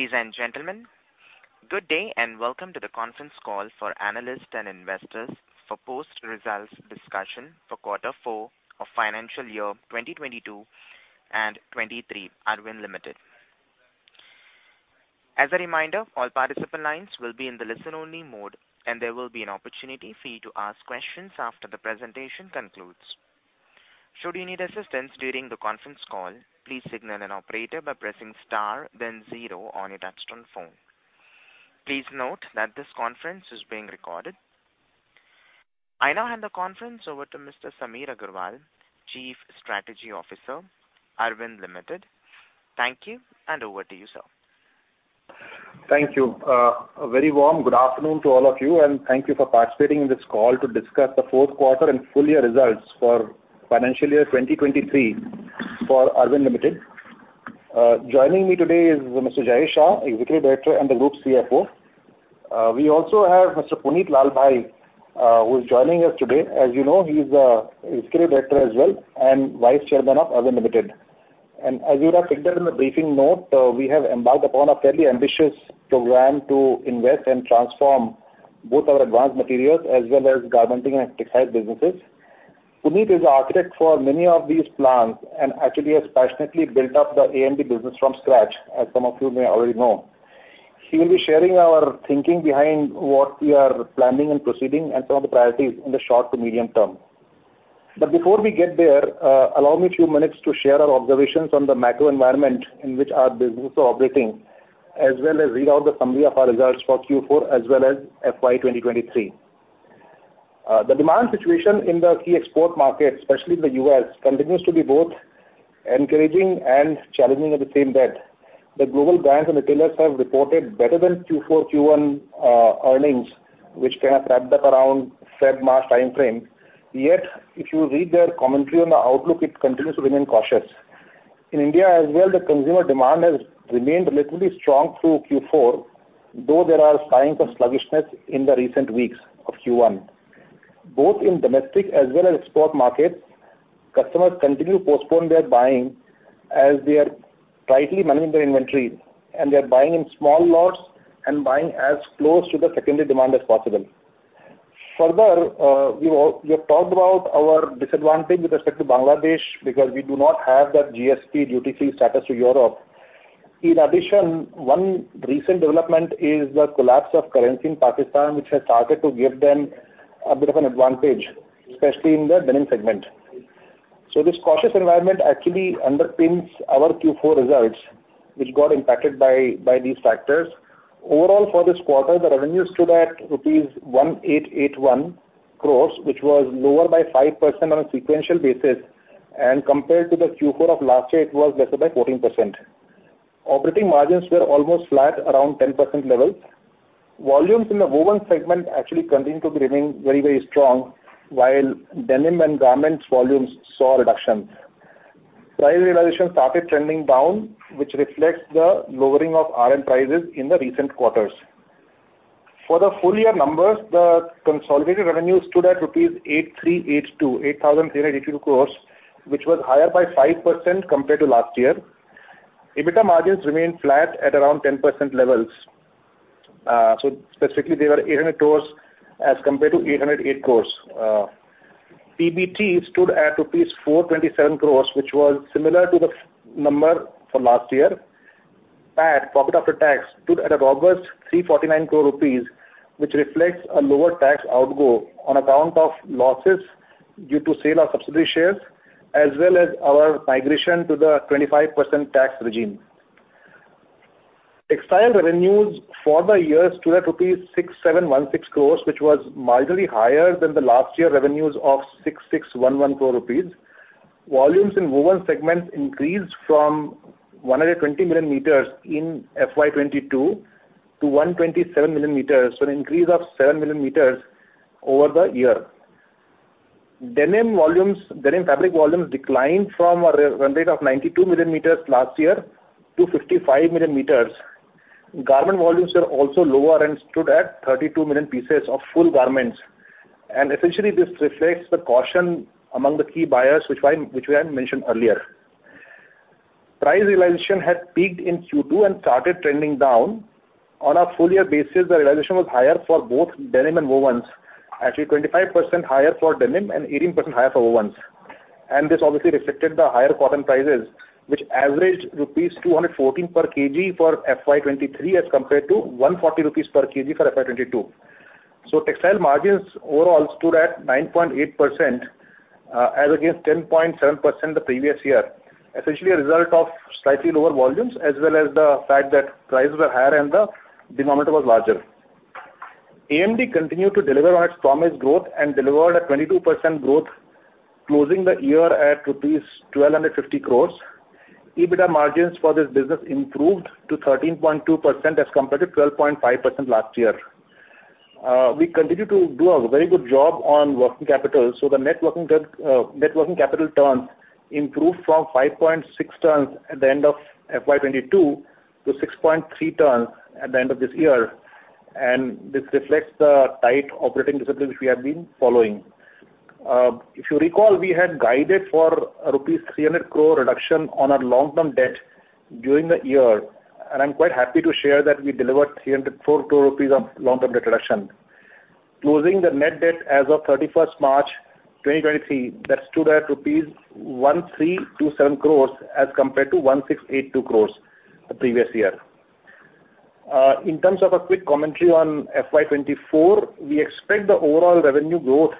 Ladies and gentlemen, good day, and welcome to the conference call for analysts and investors for post-results discussion for quarter four of financial year 2022 and 2023, Arvind Limited. As a reminder, all participant lines will be in the listen-only mode, and there will be an opportunity for you to ask questions after the presentation concludes. Should you need assistance during the conference call, please signal an operator by pressing star then zero on your touchtone phone. Please note that this conference is being recorded. I now hand the conference over to Mr. Samir Agrawal, Chief Strategy Officer, Arvind Limited. Thank you, and over to you, sir. Thank you. A very warm good afternoon to all of you, and thank you for participating in this call to discuss the fourth quarter and full year results for financial year 2023 for Arvind Limited. Joining me today is Mr. Jayesh Shah, Executive Director and the Group CFO. We also have Mr. Punit Lalbhai, who is joining us today. As you know, he's a executive director as well and Vice Chairman of Arvind Limited. As you would have picked up in the briefing note, we have embarked upon a fairly ambitious program to invest and transform both our advanced materials as well as garmenting and textile businesses. Punit is the architect for many of these plans and actually has passionately built up the AMD business from scratch, as some of you may already know. He will be sharing our thinking behind what we are planning and proceeding, and some of the priorities in the short to medium term. But before we get there, allow me a few minutes to share our observations on the macro environment in which our businesses are operating, as well as read out the summary of our results for Q4, as well as FY 2023. The demand situation in the key export markets, especially the U.S., continues to be both encouraging and challenging at the same time. The global brands and retailers have reported better than Q4, Q1 earnings, which they have wrapped up around February, March timeframe. Yet, if you read their commentary on the outlook, it continues to remain cautious. In India as well, the consumer demand has remained relatively strong through Q4, though there are signs of sluggishness in the recent weeks of Q1. Both in domestic as well as export markets, customers continue to postpone their buying as they are tightly managing their inventory, and they are buying in small lots and buying as close to the secondary demand as possible. Further, we have talked about our disadvantage with respect to Bangladesh, because we do not have that GSP duty-free status to Europe. In addition, one recent development is the collapse of currency in Pakistan, which has started to give them a bit of an advantage, especially in the denim segment. So this cautious environment actually underpins our Q4 results, which got impacted by these factors. Overall, for this quarter, the revenues stood at rupees 1,881 crores, which was lower by 5% on a sequential basis, and compared to the Q4 of last year, it was lesser by 14%. Operating margins were almost flat, around 10% levels. Volumes in the woven segment actually continued to remain very, very strong, while denim and garments volumes saw reductions. Price realization started trending down, which reflects the lowering of RM prices in the recent quarters. For the full year numbers, the consolidated revenue stood at 8,382 crores rupees, which was higher by 5% compared to last year. EBITDA margins remained flat at around 10% levels. So specifically, they were 800 crores as compared to 808 crores. PBT stood at rupees 427 crore, which was similar to the number from last year. PAT, profit after tax, stood at a robust 349 crore rupees, which reflects a lower tax outflow on account of losses due to sale of subsidiary shares, as well as our migration to the 25% tax regime. Textile revenues for the year stood at rupees 6,716 crore, which was mildly higher than the last year revenues of 6,611 crore rupees. Volumes in woven segments increased from 120 million meters in FY 2022 to 127 million meters, so an increase of 7 million meters over the year. Denim volumes, denim fabric volumes declined from a rate of 92 million meters last year to 55 million meters. Garment volumes are also lower and stood at 32 million pieces of full garments. Essentially, this reflects the caution among the key buyers, which I had mentioned earlier. Price realization had peaked in Q2 and started trending down. On a full year basis, the realization was higher for both denim and wovens, actually 25% higher for denim and 18% higher for wovens. And this obviously reflected the higher cotton prices, which averaged rupees 214 per kg for FY 2023, as compared to 140 rupees per kg for FY 2022. So textile margins overall stood at 9.8%, as against 10.7% the previous year, essentially a result of slightly lower volumes, as well as the fact that prices were higher and the denominator was larger. AMD continued to deliver on its promised growth and delivered a 22% growth, closing the year at rupees 1,250 crores. EBITDA margins for this business improved to 13.2% as compared to 12.5% last year. We continue to do a very good job on working capital, so the net working capital turns improved from 5.6 turns at the end of FY 2022 to 6.3 turns at the end of this year, and this reflects the tight operating discipline which we have been following. If you recall, we had guided for rupees 300 crore reduction on our long-term debt during the year, and I'm quite happy to share that we delivered 304 crore rupees of long-term debt reduction. Closing the net debt as of 31 March 2023, that stood at rupees 1,327 crore, as compared to 1,682 crore the previous year. In terms of a quick commentary on FY 2024, we expect the overall revenue growth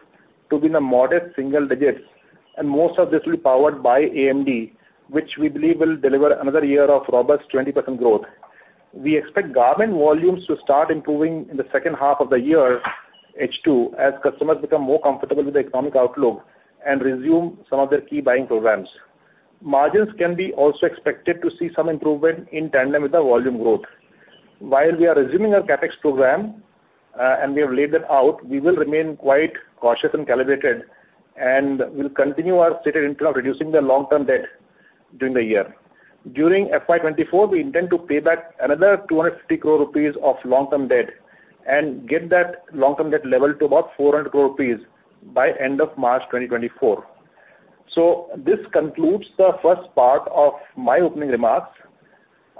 to be in the modest single digits, and most of this will be powered by AMD, which we believe will deliver another year of robust 20% growth. We expect garment volumes to start improving in the second half of the year, H2, as customers become more comfortable with the economic outlook and resume some of their key buying programs. Margins can be also expected to see some improvement in tandem with the volume growth. While we are resuming our CapEx program, and we have laid that out, we will remain quite cautious and calibrated, and we'll continue our stated intent of reducing the long-term debt during the year. During FY 2024, we intend to pay back another 250 crore rupees of long-term debt and get that long-term debt level to about 400 crore rupees by end of March 2024. So this concludes the first part of my opening remarks.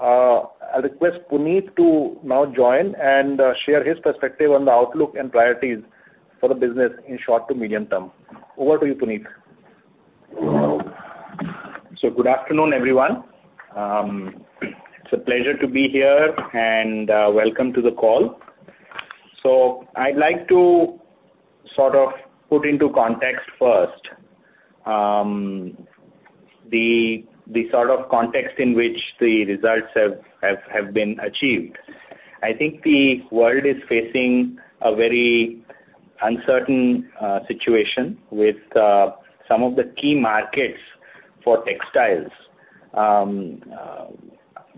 I request Punit to now join and share his perspective on the outlook and priorities for the business in short to medium term. Over to you, Punit. So good afternoon, everyone. It's a pleasure to be here and welcome to the call. So I'd like to sort of put into context first, the sort of context in which the results have been achieved. I think the world is facing a very uncertain situation with some of the key markets for textiles.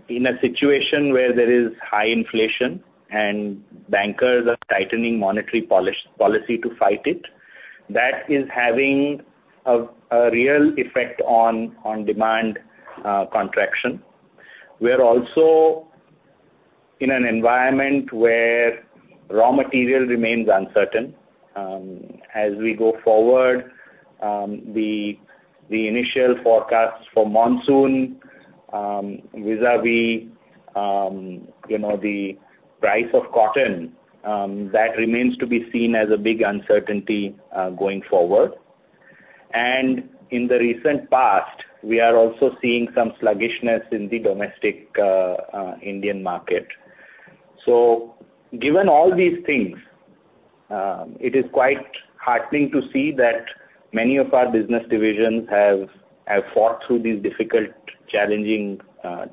In a situation where there is high inflation and bankers are tightening monetary policy to fight it, that is having a real effect on demand contraction. We're also in an environment where raw material remains uncertain. As we go forward, the initial forecasts for monsoon vis-à-vis, you know, the price of cotton, that remains to be seen as a big uncertainty going forward. In the recent past, we are also seeing some sluggishness in the domestic Indian market. So given all these things, it is quite heartening to see that many of our business divisions have fought through these difficult, challenging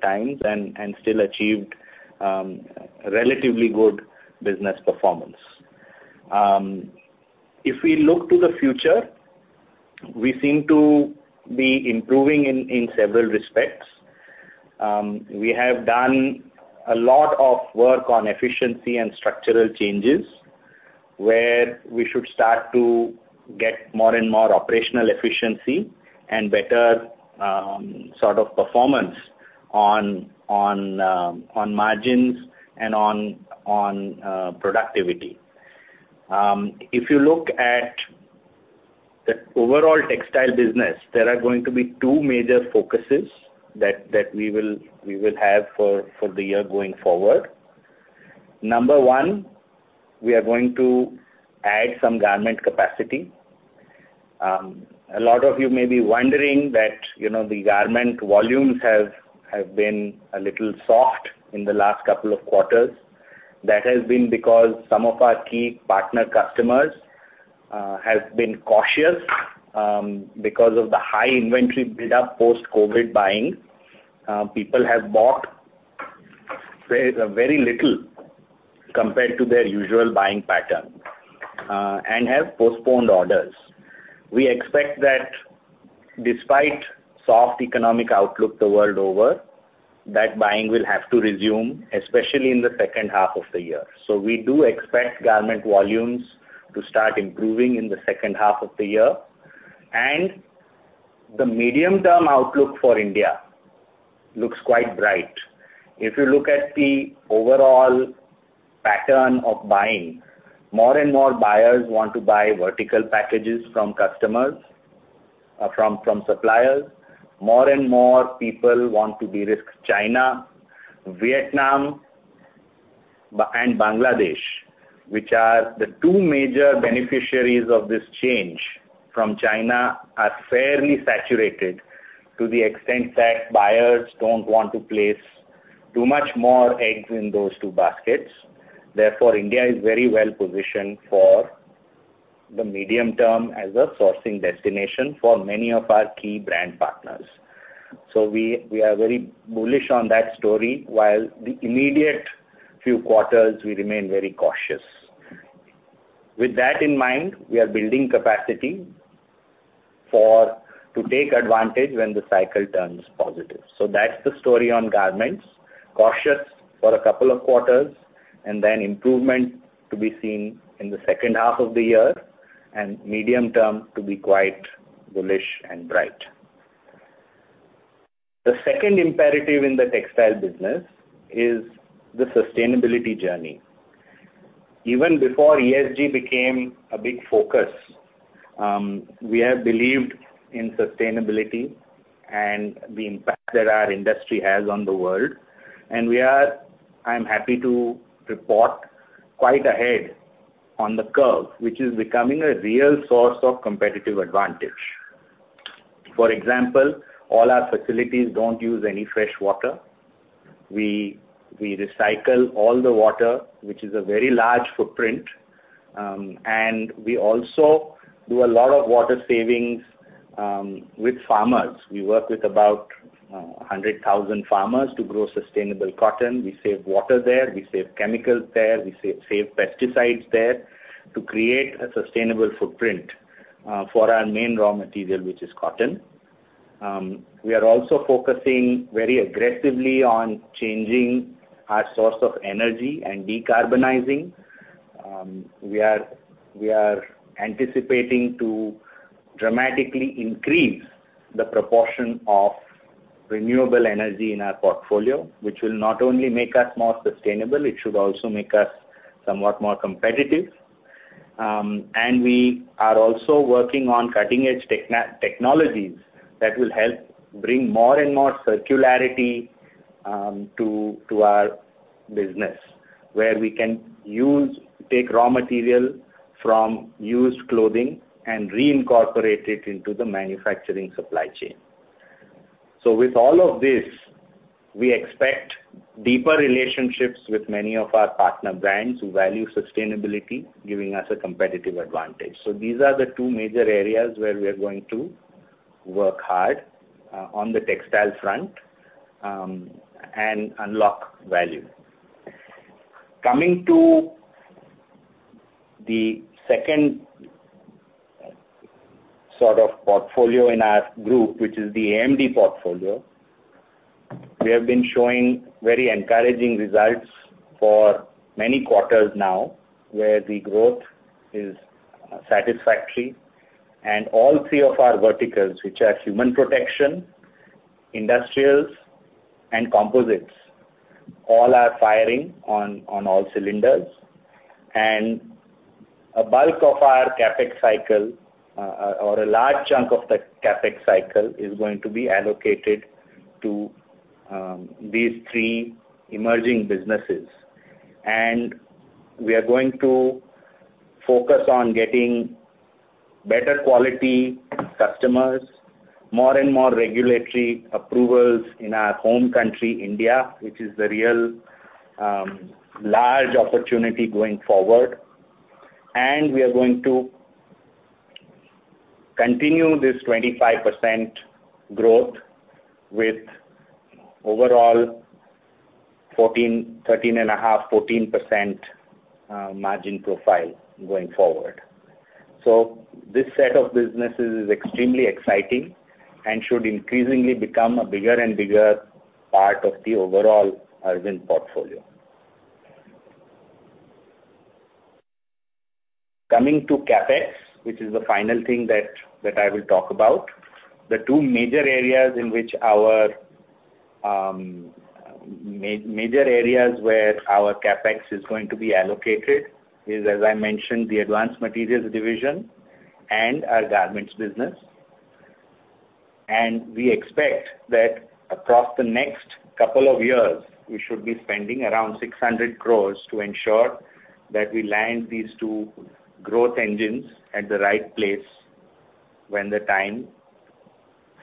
times and still achieved relatively good business performance. If we look to the future, we seem to be improving in several respects. We have done a lot of work on efficiency and structural changes, where we should start to get more and more operational efficiency and better sort of performance on margins and on productivity. If you look at the overall textile business, there are going to be two major focuses that we will have for the year going forward. Number one, we are going to add some garment capacity. A lot of you may be wondering that, you know, the garment volumes have been a little soft in the last couple of quarters. That has been because some of our key partner customers have been cautious because of the high inventory build-up post-COVID buying. People have bought very, very little compared to their usual buying pattern and have postponed orders. We expect that despite soft economic outlook the world over, that buying will have to resume, especially in the second half of the year. So we do expect garment volumes to start improving in the second half of the year. And the medium-term outlook for India looks quite bright. If you look at the overall pattern of buying, more and more buyers want to buy vertical packages from customers, from suppliers. More and more people want to de-risk China, Vietnam, and Bangladesh, which are the two major beneficiaries of this change from China, are fairly saturated to the extent that buyers don't want to place too much more eggs in those two baskets. Therefore, India is very well positioned for the medium term as a sourcing destination for many of our key brand partners. So we, we are very bullish on that story, while the immediate few quarters, we remain very cautious. With that in mind, we are building capacity to take advantage when the cycle turns positive. So that's the story on garments. Cautious for a couple of quarters, and then improvement to be seen in the second half of the year, and medium term to be quite bullish and bright. The second imperative in the textile business is the sustainability journey. Even before ESG became a big focus, we have believed in sustainability and the impact that our industry has on the world, and we are, I'm happy to report, quite ahead on the curve, which is becoming a real source of competitive advantage. For example, all our facilities don't use any fresh water. We, we recycle all the water, which is a very large footprint, and we also do a lot of water savings, with farmers. We work with about 100,000 farmers to grow sustainable cotton. We save water there, we save chemicals there, we save, save pesticides there, to create a sustainable footprint, for our main raw material, which is cotton. We are also focusing very aggressively on changing our source of energy and decarbonizing. We are anticipating to dramatically increase the proportion of renewable energy in our portfolio, which will not only make us more sustainable, it should also make us somewhat more competitive. And we are also working on cutting-edge technologies that will help bring more and more circularity to our business, where we can take raw material from used clothing and reincorporate it into the manufacturing supply chain. So with all of this, we expect deeper relationships with many of our partner brands who value sustainability, giving us a competitive advantage. So these are the two major areas where we are going to work hard on the textile front and unlock value. Coming to the second sort of portfolio in our group, which is the AMD portfolio, we have been showing very encouraging results for many quarters now, where the growth is satisfactory. And all three of our verticals, which are human protection, industrials, and composites, all are firing on all cylinders. And a bulk of our CapEx cycle, or a large chunk of the CapEx cycle, is going to be allocated to these three emerging businesses. And we are going to focus on getting better quality customers, more and more regulatory approvals in our home country, India, which is the real large opportunity going forward. And we are going to continue this 25% growth with overall 13.5%-14% margin profile going forward. So this set of businesses is extremely exciting and should increasingly become a bigger and bigger part of the overall Arvind portfolio. Coming to CapEx, which is the final thing that I will talk about. The two major areas in which our major areas where our CapEx is going to be allocated is, as I mentioned, the Advanced Materials Division and our garments business. And we expect that across the next couple of years, we should be spending around 600 crore to ensure that we land these two growth engines at the right place when the time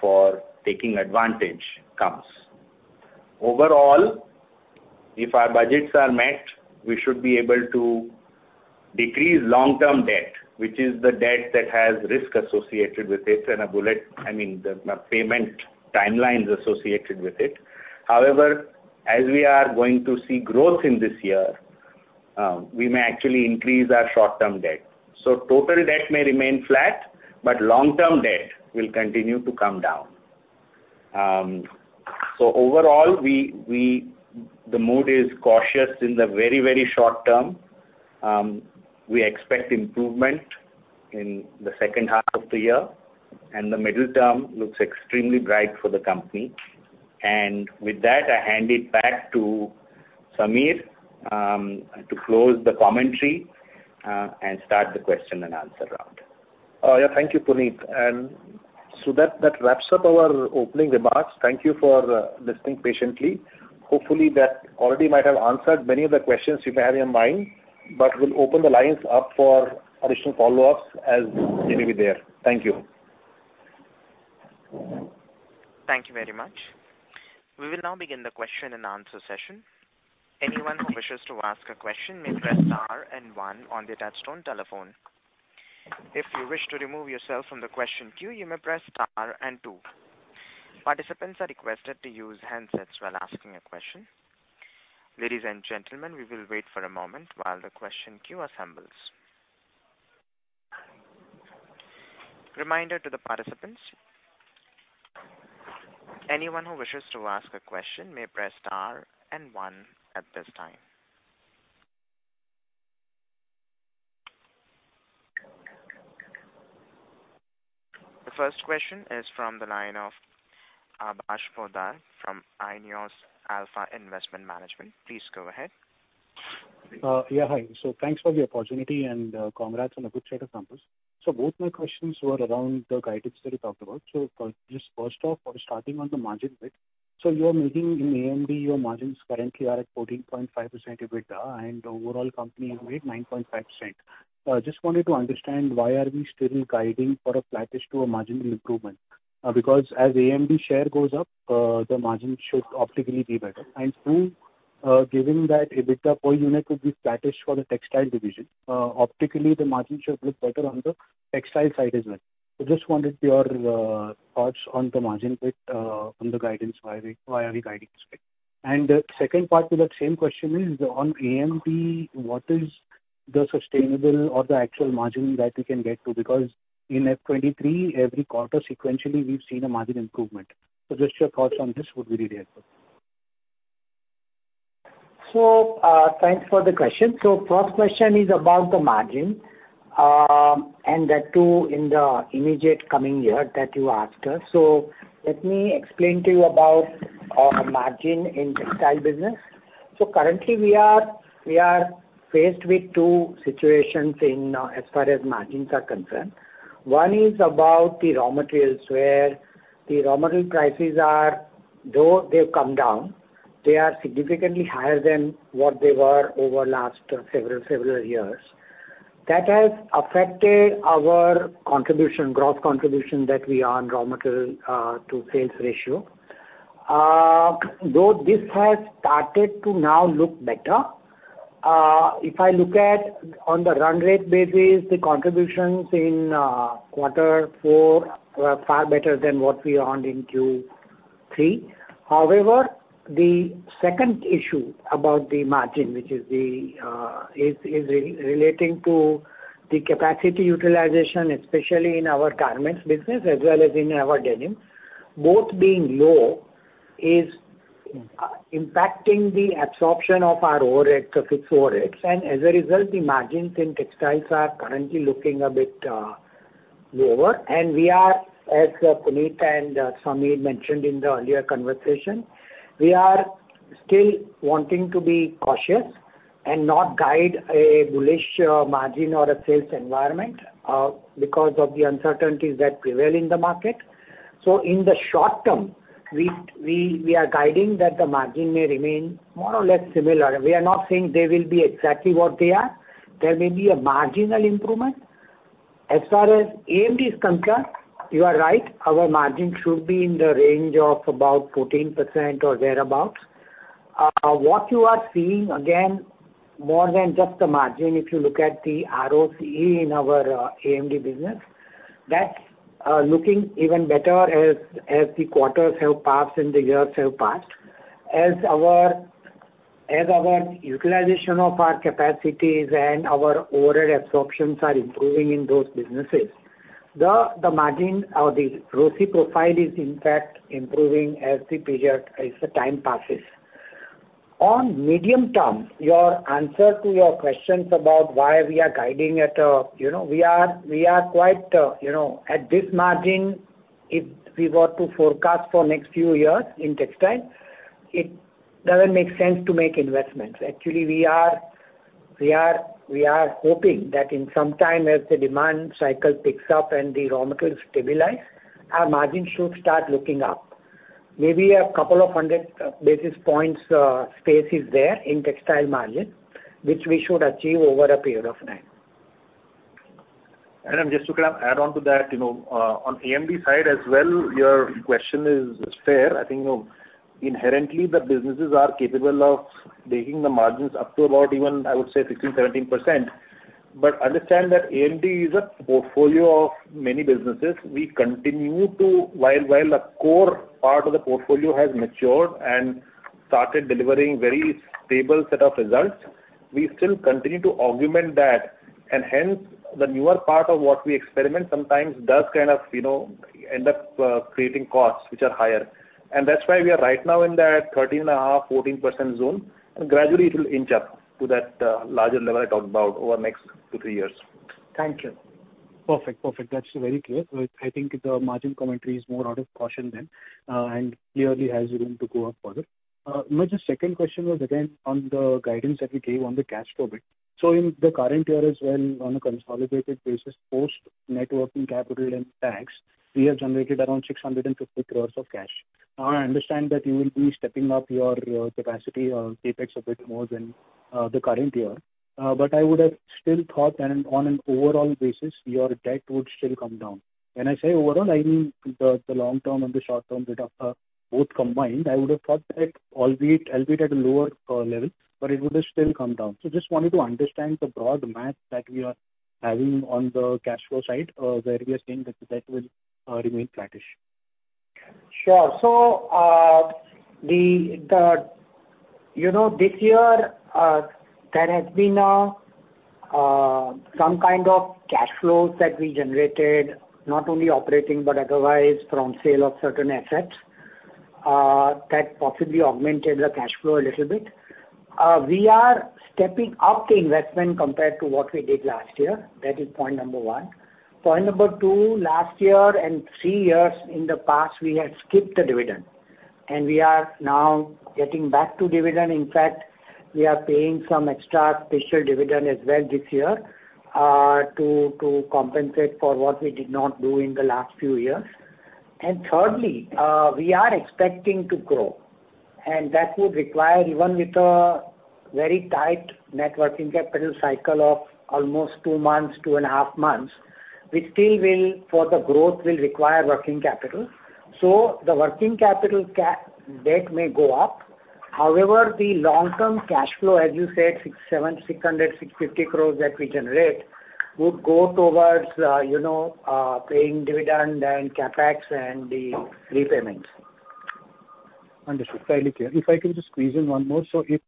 for taking advantage comes. Overall, if our budgets are met, we should be able to decrease long-term debt, which is the debt that has risk associated with it and a bullet, I mean, the payment timelines associated with it. However, as we are going to see growth in this year, we may actually increase our short-term debt. So total debt may remain flat, but long-term debt will continue to come down. So overall, we the mood is cautious in the very, very short term. We expect improvement in the second half of the year, and the middle term looks extremely bright for the company. And with that, I hand it back to Samir to close the commentary, and start the question and answer round. Oh, yeah. Thank you, Punit. And so that wraps up our opening remarks. Thank you for listening patiently. Hopefully, that already might have answered many of the questions you may have in mind, but we'll open the lines up for additional follow-ups as they may be there. Thank you. Thank you very much. We will now begin the question and answer session. Anyone who wishes to ask a question may press star and one on their touchtone telephone. If you wish to remove yourself from the question queue, you may press star and two. Participants are requested to use handsets while asking a question. Ladies and gentlemen, we will wait for a moment while the question queue assembles. Reminder to the participants, anyone who wishes to ask a question may press star and one at this time. The first question is from the line of Aabhash Poddar from Aionios Alpha Investment Management. Please go ahead. Yeah, hi. So thanks for the opportunity, and, congrats on a good set of numbers. So both my questions were around the guidance that you talked about. So first, just first off, starting on the margin bit. So you are making in AMD, your margins currently are at 14.5% EBITDA, and overall company EBITDA, 9.5%. Just wanted to understand, why are we still guiding for a flattish to a margin improvement? Because as AMD share goes up, the margin should optically be better. And two, given that EBITDA per unit could be flattish for the textile division, optically, the margin should look better on the textile side as well. So just wanted your thoughts on the margin bit, on the guidance, why we, why are we guiding this way? The second part to that same question is, on AMD, what is the sustainable or the actual margin that we can get to? Because in FY 2023, every quarter sequentially, we've seen a margin improvement. So just your thoughts on this would be really helpful. So, thanks for the question. So first question is about the margin, and that too, in the immediate coming year that you asked us. So let me explain to you about our margin in textile business. So currently, we are faced with two situations in, as far as margins are concerned. One is about the raw materials, where the raw material prices are, though they've come down, they are significantly higher than what they were over last several years. That has affected our contribution, growth contribution that we are on raw material to sales ratio. Though this has started to now look better, if I look at on the run rate basis, the contributions in quarter four were far better than what we earned in Q3. However, the second issue about the margin, which is the, is relating to the capacity utilization, especially in our garments business as well as in our denim. Both being low is impacting the absorption of our overhead, fixed overhead, and as a result, the margins in textiles are currently looking a bit lower. And we are, as Punit and Samir mentioned in the earlier conversation, we are still wanting to be cautious and not guide a bullish margin or a sales environment because of the uncertainties that prevail in the market. So in the short term, we are guiding that the margin may remain more or less similar. We are not saying they will be exactly what they are. There may be a marginal improvement. As far as AMD is concerned, you are right, our margin should be in the range of about 14% or thereabout. What you are seeing, again, more than just the margin, if you look at the ROCE in our AMD business, that's looking even better as the quarters have passed and the years have passed. As our utilization of our capacities and our overall absorptions are improving in those businesses, the margin or the ROCE profile is in fact improving as the period, as the time passes. On medium term, your answer to your questions about why we are guiding at a-- you know, we are, we are quite, you know, at this margin, if we were to forecast for next few years in textile, it doesn't make sense to make investments. Actually, we are hoping that in some time, as the demand cycle picks up and the raw materials stabilize, our margin should start looking up. Maybe a couple of hundred basis points space is there in textile margin, which we should achieve over a period of time. Just to kind of add on to that, you know, on AMD side as well, your question is fair. I think, you know, inherently, the businesses are capable of taking the margins up to about even, I would say, 15%-17%. But understand that AMD is a portfolio of many businesses. We continue to, while a core part of the portfolio has matured and started delivering very stable set of results, we still continue to augment that, and hence, the newer part of what we experiment sometimes does kind of, you know, end up creating costs which are higher. And that's why we are right now in that 13.5%-14% zone, and gradually it will inch up to that larger level I talked about over the next 2-3 years. Thank you. Perfect. Perfect. That's very clear. So I think the margin commentary is more out of caution than, and clearly has room to go up further. My just second question was again on the guidance that you gave on the cash flow bit. So in the current year as well, on a consolidated basis, post net working capital and tax, we have generated around 650 crores of cash. Now, I understand that you will be stepping up your capacity CapEx a bit more than the current year. But I would have still thought that on an overall basis, your debt would still come down. When I say overall, I mean the long term and the short term bit of both combined. I would have thought that albeit at a lower level, but it would have still come down. Just wanted to understand the broad math that we are having on the cash flow side, where we are saying that the debt will remain flattish. Sure. So, you know, this year, there has been some kind of cash flows that we generated, not only operating, but otherwise from sale of certain assets that possibly augmented the cash flow a little bit. We are stepping up the investment compared to what we did last year. That is point number one. Point number two, last year and three years in the past, we had skipped the dividend, and we are now getting back to dividend. In fact, we are paying some extra special dividend as well this year, to compensate for what we did not do in the last few years. Thirdly, we are expecting to grow, and that would require, even with a very tight net working capital cycle of almost two months, two and a half months, we still will, for the growth, will require working capital. So the working capital debt may go up. However, the long-term cash flow, as you said, 650 crores that we generate, would go towards, you know, paying dividend and CapEx and the repayments. Understood, fairly clear. If I could just squeeze in one more. So if,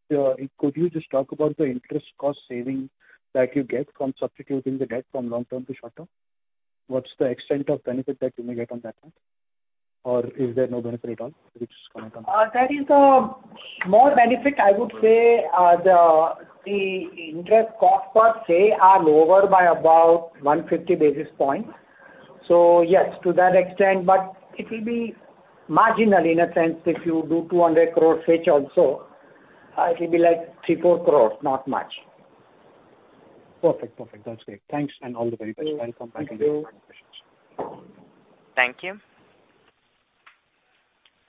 could you just talk about the interest cost saving that you get from substituting the debt from long term to short term? What's the extent of benefit that you may get on that end? Or is there no benefit at all, which is going to come? There is more benefit, I would say. The interest cost per se are lower by about 150 basis points. So yes, to that extent, but it will be marginal in a sense, if you do 200 crore fetch also, it will be like 3-4 crore, not much. Perfect. Perfect. That's great. Thanks and all the very best. Thank you. Thank you. Thank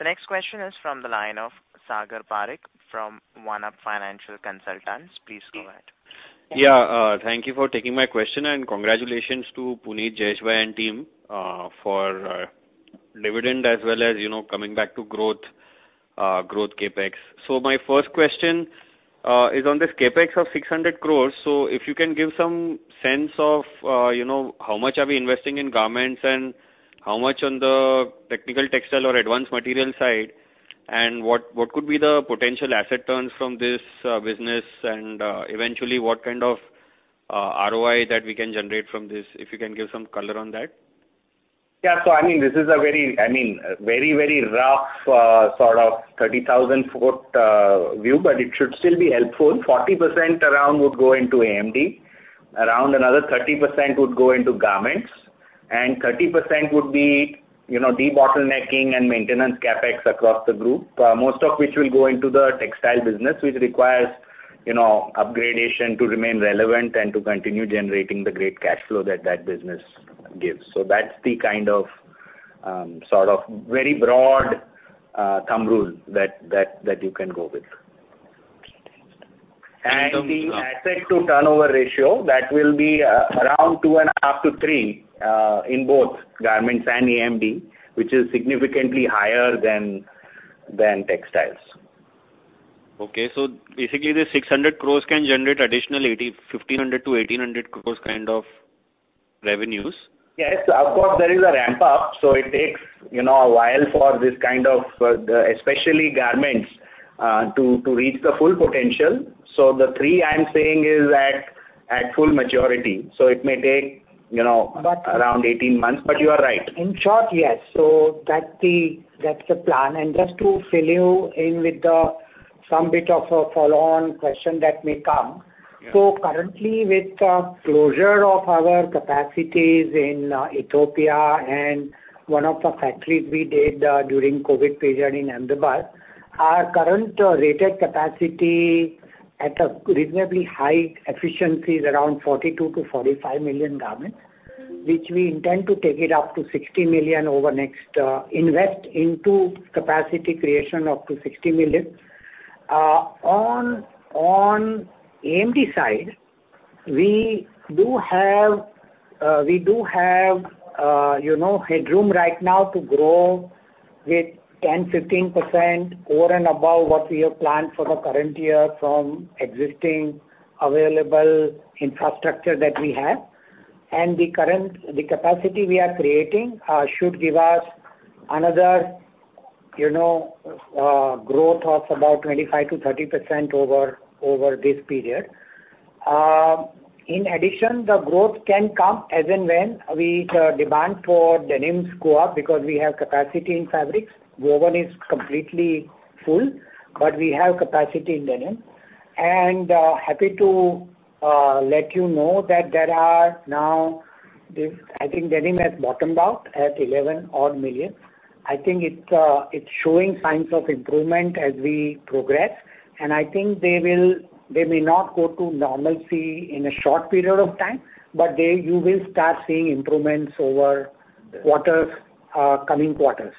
you. The next question is from the line of Sagar Parekh, from One-Up Financial Consultants. Please go ahead. Yeah, thank you for taking my question, and congratulations to Punit Lalbhai and team, for dividend as well as, you know, coming back to growth, growth CapEx. My first question is on this CapEx of 600 crore. If you can give some sense of, you know, how much are we investing in garments and how much on the technical textile or advanced material side, and what, what could be the potential asset turns from this business, and eventually, what kind of ROI that we can generate from this? If you can give some color on that. Yeah. So I mean, this is a very—I mean, very, very rough, sort of 30,000-foot view, but it should still be helpful. 40% around would go into AMD, around another 30% would go into garments, and 30% would be, you know, debottlenecking and maintenance CapEx across the group, most of which will go into the textile business, which requires, you know, upgradation to remain relevant and to continue generating the great cash flow that that business gives. So that's the kind of, sort of very broad thumb rule that you can go with. Okay. The asset to turnover ratio, that will be around 2.5-3 in both garments and AMD, which is significantly higher than textiles. Okay. So basically, the 600 crore can generate additional 1,500-1,800 crore kind of revenues? Yes, of course, there is a ramp up, so it takes, you know, a while for this kind of, especially garments, to reach the full potential. So the 3 I'm saying is at full maturity, so it may take, you know, around 18 months, but you are right. In short, yes. So that's the, that's the plan. And just to fill you in with some bit of a follow-on question that may come. Yeah. So currently, with the closure of our capacities in Ethiopia and one of the factories we did during COVID period in Ahmedabad, our current rated capacity at a reasonably high efficiency is around 42-45 million garments, which we intend to take it up to 60 million over next—invest into capacity creation up to 60 million. On, on AMD side, we do have, we do have, you know, headroom right now to grow with 10%-15% over and above what we have planned for the current year from existing available infrastructure that we have. And the current, the capacity we are creating, should give us another, you know, growth of about 25%-30% over, over this period. In addition, the growth can come as and when with demand for denims go up, because we have capacity in fabrics. Woven is completely full, but we have capacity in denim. And happy to let you know that there are now, this, I think denim has bottomed out at 11-odd million. I think it's, it's showing signs of improvement as we progress, and I think they will—they may not go to normalcy in a short period of time, but they, you will start seeing improvements over quarters, coming quarters.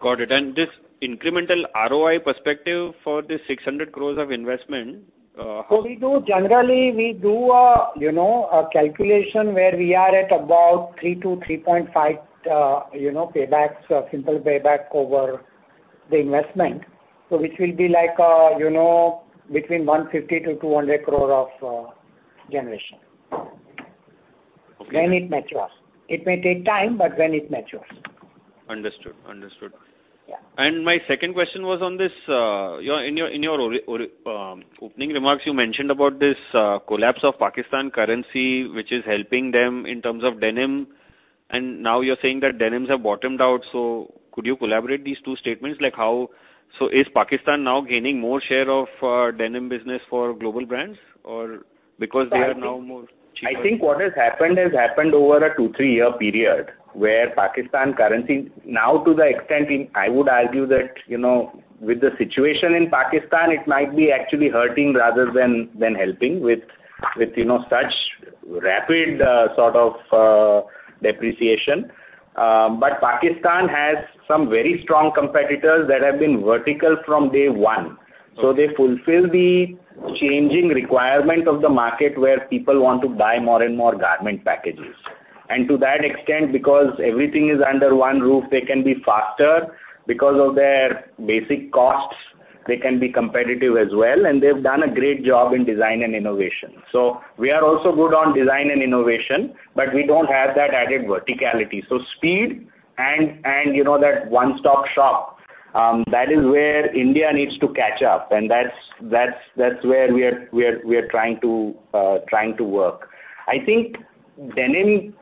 Got it. This incremental ROI perspective for this INR 600 crore of investment. We do generally, you know, a calculation where we are at about 3-3.5, you know, paybacks, simple payback over the investment. So which will be like, you know, between 150 crore-200 crore of generation. Okay. When it matures. It may take time, but when it matures. Understood. And my second question was on this, in your opening remarks, you mentioned about this, collapse of Pakistan currency, which is helping them in terms of denim, and now you're saying that denims have bottomed out. So could you collaborate these two statements? Like how - So is Pakistan now gaining more share of denim business for global brands or because they are now more cheaper? I think what has happened has happened over a 2-3-year period, where Pakistan currency now to the extent in-- I would argue that, you know, with the situation in Pakistan, it might be actually hurting rather than helping with, you know, such rapid sort of depreciation. But Pakistan has some very strong competitors that have been vertical from day one. So they fulfill the changing requirement of the market, where people want to buy more and more garment packages. And to that extent, because everything is under one roof, they can be faster. Because of their basic costs, they can be competitive as well, and they've done a great job in design and innovation. So we are also good on design and innovation, but we don't have that added verticality. So speed and you know that one-stop shop, that is where India needs to catch up, and that's where we are trying to work. I think denim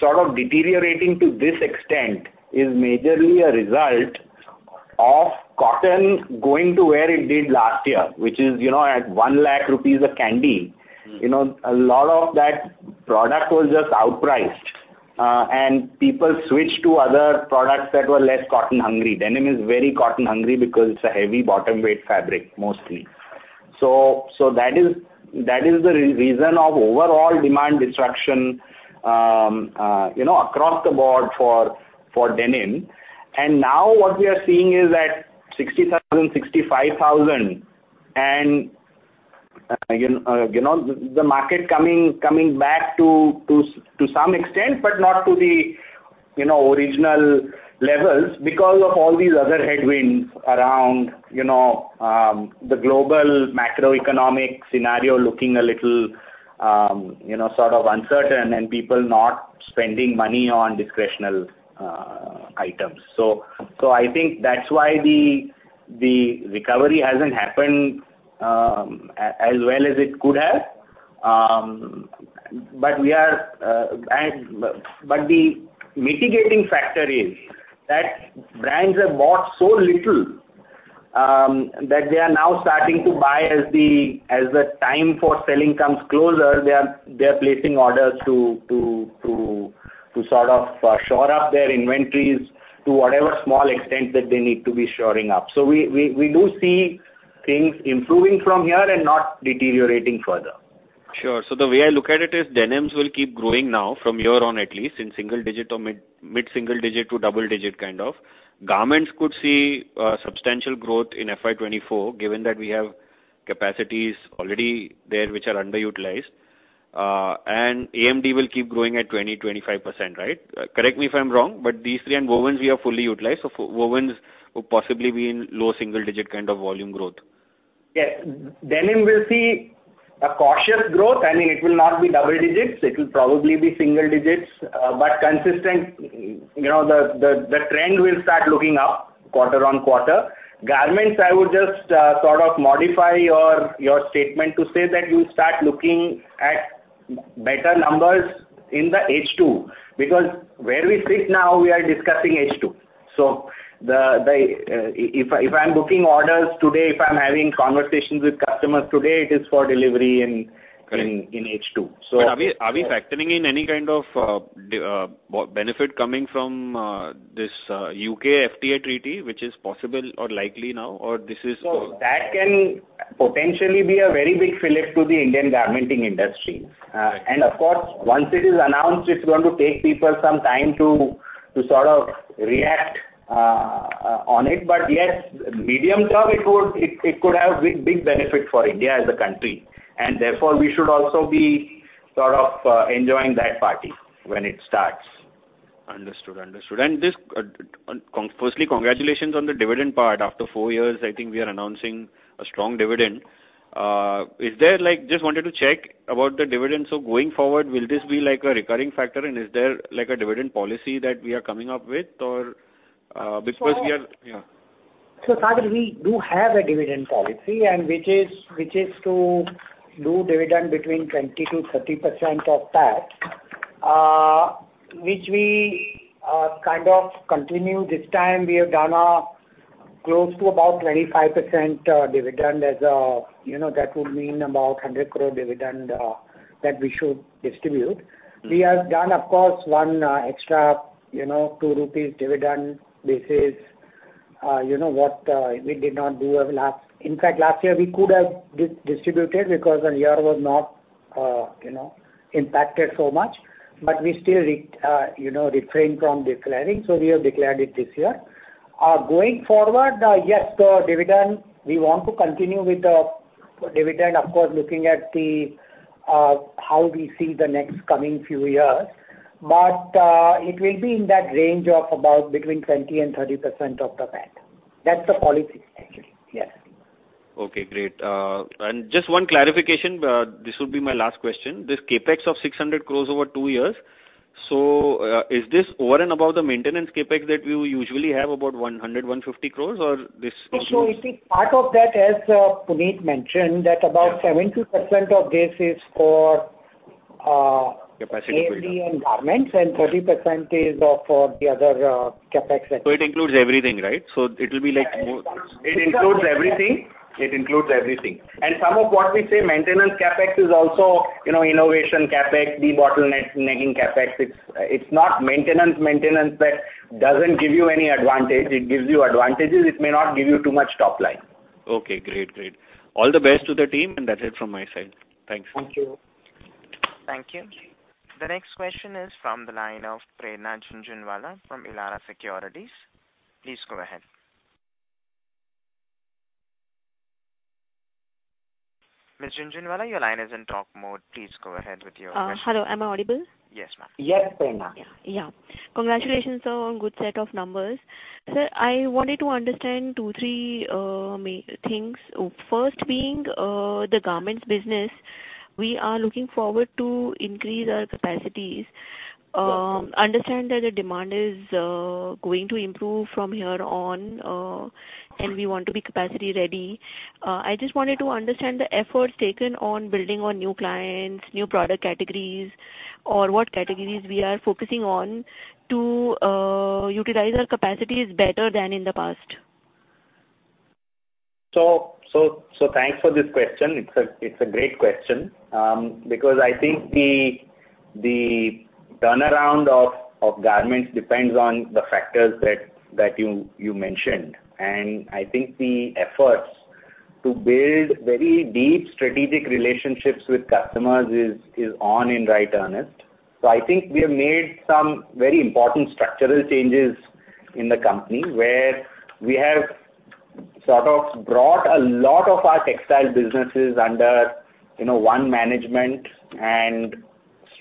sort of deteriorating to this extent is majorly a result of cotton going to where it did last year, which is, you know, at 1 lakh rupees a candy. You know, a lot of that product was just outpriced, and people switched to other products that were less cotton hungry. Denim is very cotton hungry because it's a heavy bottom weight fabric, mostly. So that is the reason of overall demand destruction, you know, across the board for denim. Now what we are seeing is at 60,000, 65,000, and, you know, the market coming back to some extent, but not to the, you know, original levels because of all these other headwinds around, you know, the global macroeconomic scenario looking a little, you know, sort of uncertain and people not spending money on discretionary items. So I think that's why the recovery hasn't happened as well as it could have. But the mitigating factor is that brands have bought so little that they are now starting to buy as the time for selling comes closer, they are placing orders to sort of shore up their inventories to whatever small extent that they need to be shoring up. We do see things improving from here and not deteriorating further. Sure. So the way I look at it is denims will keep growing now from here on, at least in single digit or mid, mid single digit to double digit, kind of. Garments could see substantial growth in FY 2024, given that we have capacities already there, which are underutilized. And AMD will keep growing at 20-25%, right? Correct me if I'm wrong, but these three and nonwovens we have fully utilized. So nonwovens will possibly be in low single digit kind of volume growth. Yeah. Denim will see a cautious growth, I mean, it will not be double digits, it will probably be single digits, but consistent, you know, the trend will start looking up quarter on quarter. Garments, I would just sort of modify your statement to say that you start looking at better numbers in the H2, because where we sit now, we are discussing H2. So the, if I, if I'm booking orders today, if I'm having conversations with customers today, it is for delivery in- Correct... in H2. So- Are we factoring in any kind of benefit coming from this U.K. FTA treaty, which is possible or likely now, or this is- So that can potentially be a very big fillip to the Indian garmenting industry. And of course, once it is announced, it's going to take people some time to sort of react on it. But yes, medium term, it could have big, big benefit for India as a country, and therefore, we should also be sort of enjoying that party when it starts. Understood. Understood. And this, firstly, congratulations on the dividend part. After four years, I think we are announcing a strong dividend. Is there like... Just wanted to check about the dividend. So going forward, will this be like a recurring factor, and is there like a dividend policy that we are coming up with or, because we are- So- Yeah. So Sagar, we do have a dividend policy and which is, which is to do dividend between 20%-30% of that, which we kind of continue. This time we have done close to about 25% dividend. As you know, that would mean about 100 crore dividend that we should distribute. Mm. We have done, of course, one extra, you know, 2 rupees dividend. This is, you know, what we did not do over last year. In fact, last year, we could have distributed because the year was not, you know, impacted so much, but we still, you know, refrained from declaring. So we have declared it this year. Going forward, yes, the dividend, we want to continue with the dividend, of course, looking at how we see the next coming few years, but it will be in that range of about between 20%-30% of the PAT. That's the policy actually. Yes. ... Okay, great. Just one clarification, this will be my last question. This CapEx of 600 crore over two years, so, is this over and above the maintenance CapEx that you usually have about 100 crore-150 crore, or this includes? So it is part of that, as Punit mentioned, that about 70% of this is for- Capacity building. AMD and garments, and 30% is for the other, CapEx. So it includes everything, right? So it will be like more- It includes everything. It includes everything. And some of what we say, maintenance CapEx is also, you know, innovation CapEx, de-bottlenecking CapEx. It's, it's not maintenance, maintenance that doesn't give you any advantage. It gives you advantages. It may not give you too much top line. Okay, great, great. All the best to the team, and that's it from my side. Thanks. Thank you. Thank you. The next question is from the line of Prerna Jhunjhunwala from Elara Securities. Please go ahead. Ms. Jhunjhunwala, your line is in talk mode. Please go ahead with your question. Hello, am I audible? Yes, ma'am. Yes, Prerna. Yeah. Congratulations, sir, on good set of numbers. Sir, I wanted to understand two, three, main things. First being, the garments business. We are looking forward to increase our capacities. Understand that the demand is going to improve from here on, and we want to be capacity ready. I just wanted to understand the efforts taken on building on new clients, new product categories, or what categories we are focusing on to utilize our capacities better than in the past. So thanks for this question. It's a great question, because I think the turnaround of garments depends on the factors that you mentioned. And I think the efforts to build very deep strategic relationships with customers is on in right earnest. So I think we have made some very important structural changes in the company, where we have sort of brought a lot of our textile businesses under, you know, one management and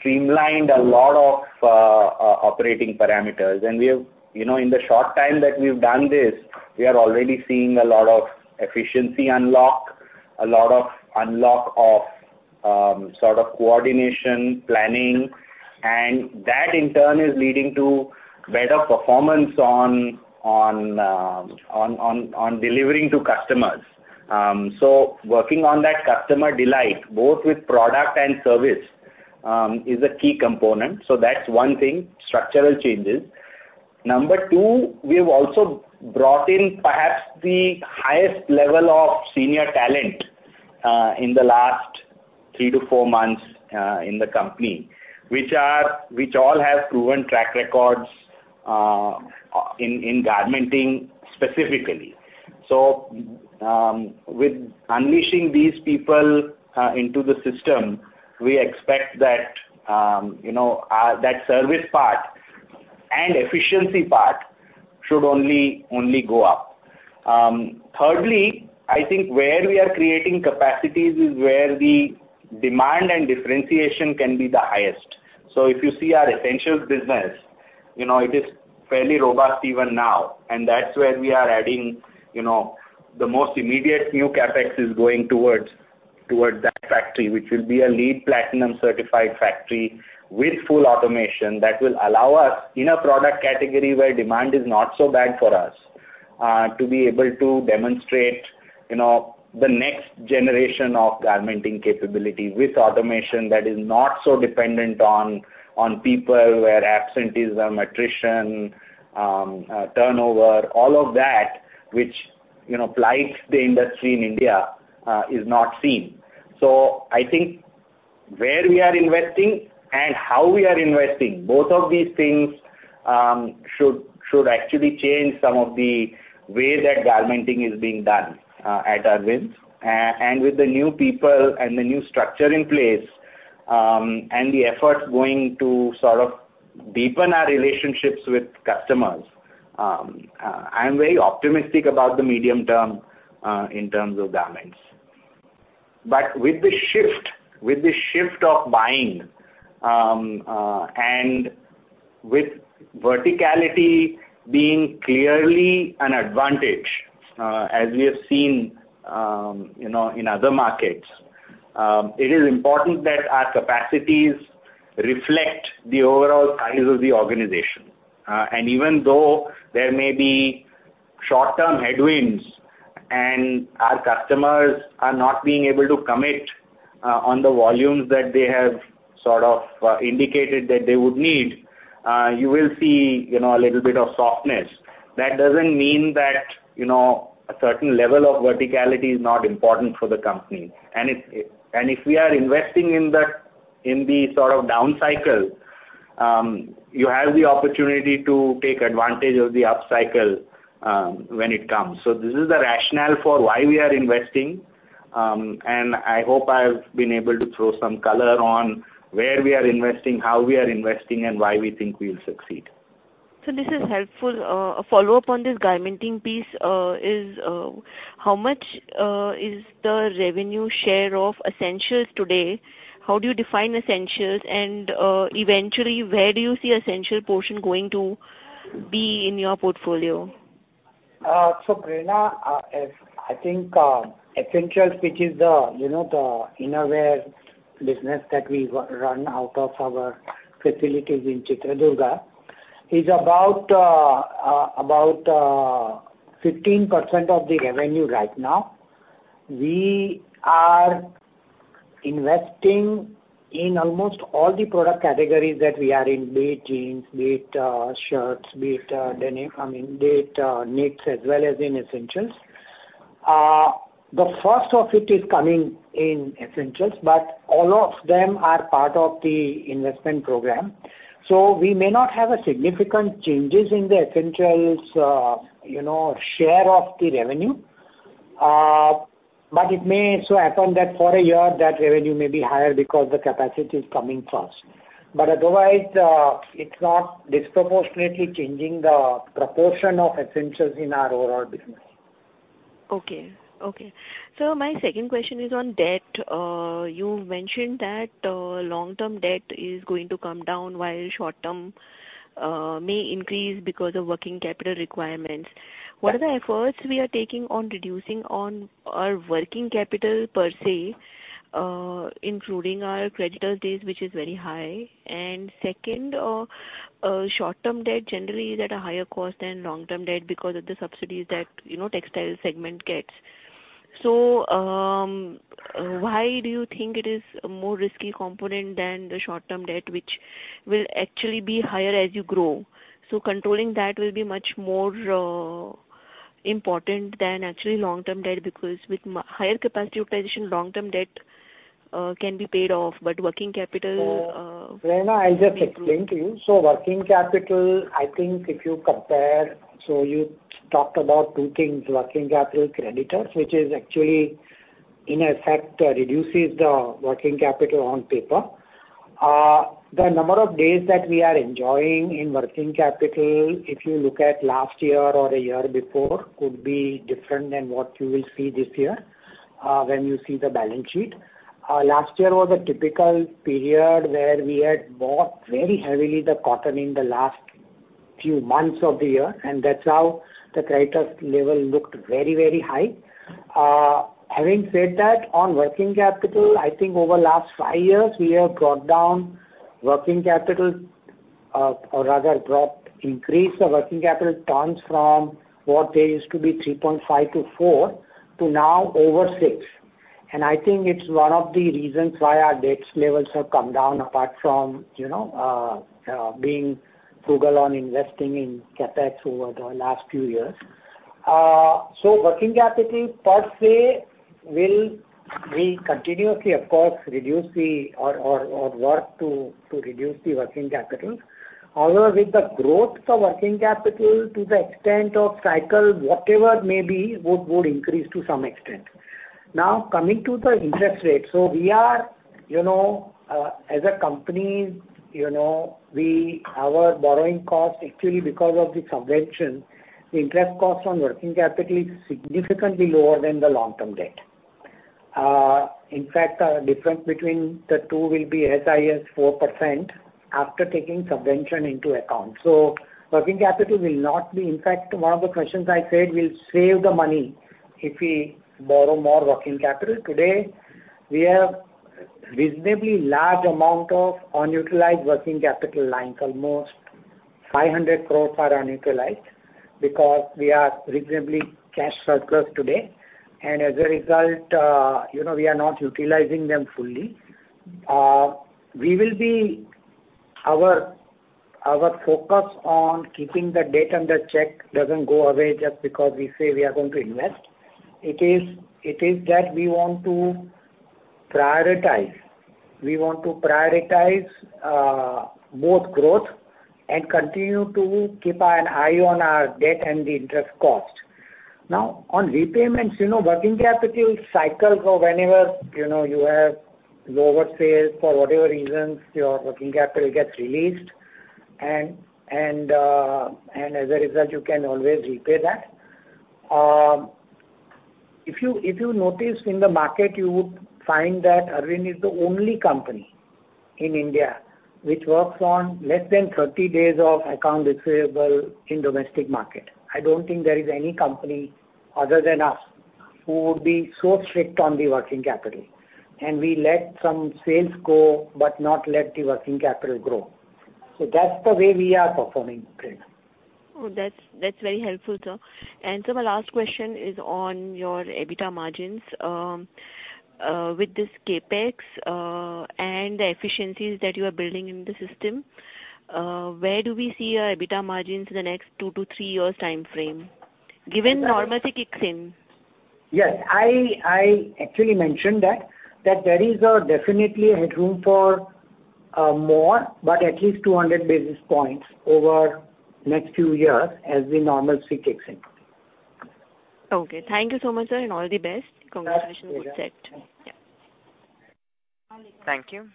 streamlined a lot of operating parameters. And we have. You know, in the short time that we've done this, we are already seeing a lot of efficiency unlock, a lot of unlock of sort of coordination, planning, and that, in turn, is leading to better performance on delivering to customers. So working on that customer delight, both with product and service, is a key component. So that's one thing, structural changes. Number 2, we've also brought in perhaps the highest level of senior talent in the last 3 to 4 months in the company, which all have proven track records in garmenting specifically. So, with unleashing these people into the system, we expect that, you know, that service part and efficiency part should only, only go up. Thirdly, I think where we are creating capacities is where the demand and differentiation can be the highest. So if you see our essentials business, you know, it is fairly robust even now, and that's where we are adding, you know, the most immediate new CapEx is going towards, towards that factory, which will be a LEED Platinum certified factory with full automation that will allow us in a product category where demand is not so bad for us, to be able to demonstrate, you know, the next generation of garmenting capability with automation that is not so dependent on people, where absenteeism, attrition, turnover, all of that, which, you know, plagues the industry in India, is not seen. So I think where we are investing and how we are investing, both of these things should actually change some of the way that garmenting is being done at Arvind. And with the new people and the new structure in place, and the efforts going to sort of deepen our relationships with customers, I'm very optimistic about the medium term, in terms of garments. But with the shift, with the shift of buying, and with verticality being clearly an advantage, as we have seen, you know, in other markets, it is important that our capacities reflect the overall size of the organization. And even though there may be short-term headwinds, and our customers are not being able to commit, on the volumes that they have sort of indicated that they would need, you will see, you know, a little bit of softness. That doesn't mean that, you know, a certain level of verticality is not important for the company. If we are investing in the sort of down cycle, you have the opportunity to take advantage of the upcycle when it comes. So this is the rationale for why we are investing, and I hope I've been able to throw some color on where we are investing, how we are investing, and why we think we will succeed. So this is helpful. A follow-up on this garmenting piece, is how much is the revenue share of essentials today? How do you define essentials? And eventually, where do you see essential portion going to be in your portfolio? So Prerna, as I think, Essentials, which is the, you know, the innerwear business that we run out of our facilities in Chitradurga, is about 15% of the revenue right now. We are investing in almost all the product categories that we are in, be it jeans, be it shirts, be it denim, I mean, be it knits as well as in Essentials. The first of it is coming in Essentials, but all of them are part of the investment program. So we may not have a significant changes in the Essentials, you know, share of the revenue, but it may so happen that for a year, that revenue may be higher because the capacity is coming fast. But otherwise, it's not disproportionately changing the proportion of Essentials in our overall business. Okay, okay. Sir, my second question is on debt. You mentioned that long-term debt is going to come down, while short-term may increase because of working capital requirements. What are the efforts we are taking on reducing on our working capital per se, including our creditor days, which is very high? And second, short-term debt generally is at a higher cost than long-term debt because of the subsidies that, you know, textile segment gets. So, why do you think it is a more risky component than the short-term debt, which will actually be higher as you grow? So controlling that will be much more important than actually long-term debt, because with higher capacity utilization, long-term debt can be paid off, but working capital. So Prerna, I'll just explain to you. So working capital, I think if you compare... So you talked about two things, working capital, creditors, which is actually in effect, reduces the working capital on paper. The number of days that we are enjoying in working capital, if you look at last year or a year before, could be different than what you will see this year, when you see the balance sheet. Last year was a typical period where we had bought very heavily the cotton in the last few months of the year, and that's how the credit level looked very, very high. Having said that, on working capital, I think over the last five years, we have brought down working capital, or rather brought increased the working capital turns from what they used to be 3.5-4, to now over 6. And I think it's one of the reasons why our debt levels have come down, apart from, you know, being frugal on investing in CapEx over the last few years. So working capital per se, we will continuously, of course, reduce or work to reduce the working capital. Although with the growth of working capital, to the extent of cycle, whatever may be, would increase to some extent. Now, coming to the interest rate. So we are, you know, as a company, you know, we, our borrowing cost, actually, because of the subvention, the interest cost on working capital is significantly lower than the long-term debt. In fact, the difference between the two will be as high as 4% after taking subvention into account. So working capital will not be... In fact, one of the questions I said, we'll save the money if we borrow more working capital. Today, we have reasonably large amount of unutilized working capital line, almost 500 crore are unutilized because we are reasonably cash surplus today, and as a result, you know, we are not utilizing them fully. We will be... Our, our focus on keeping the debt under check doesn't go away just because we say we are going to invest. It is, it is that we want to prioritize. We want to prioritize both growth and continue to keep an eye on our debt and the interest cost. Now, on repayments, you know, working capital cycles of anywhere, you know, you have lower sales for whatever reasons, your working capital gets released, and, and, and as a result, you can always repay that. If you, if you notice in the market, you would find that Arvind is the only company in India which works on less than 30 days of account receivable in domestic market. I don't think there is any company other than us, who would be so strict on the working capital. And we let some sales go, but not let the working capital grow. So that's the way we are performing, Prerna. Oh, that's, that's very helpful, sir. Sir, my last question is on your EBITDA margins. With this CapEx, and the efficiencies that you are building in the system, where do we see our EBITDA margins in the next two to three years time frame, given normalcy kicks in? Yes, I actually mentioned that there is definitely a headroom for more, but at least 200 basis points over next few years as the normalcy kicks in. Okay. Thank you so much, sir, and all the best. Thank you. Congratulations on set. Yeah. Thank you.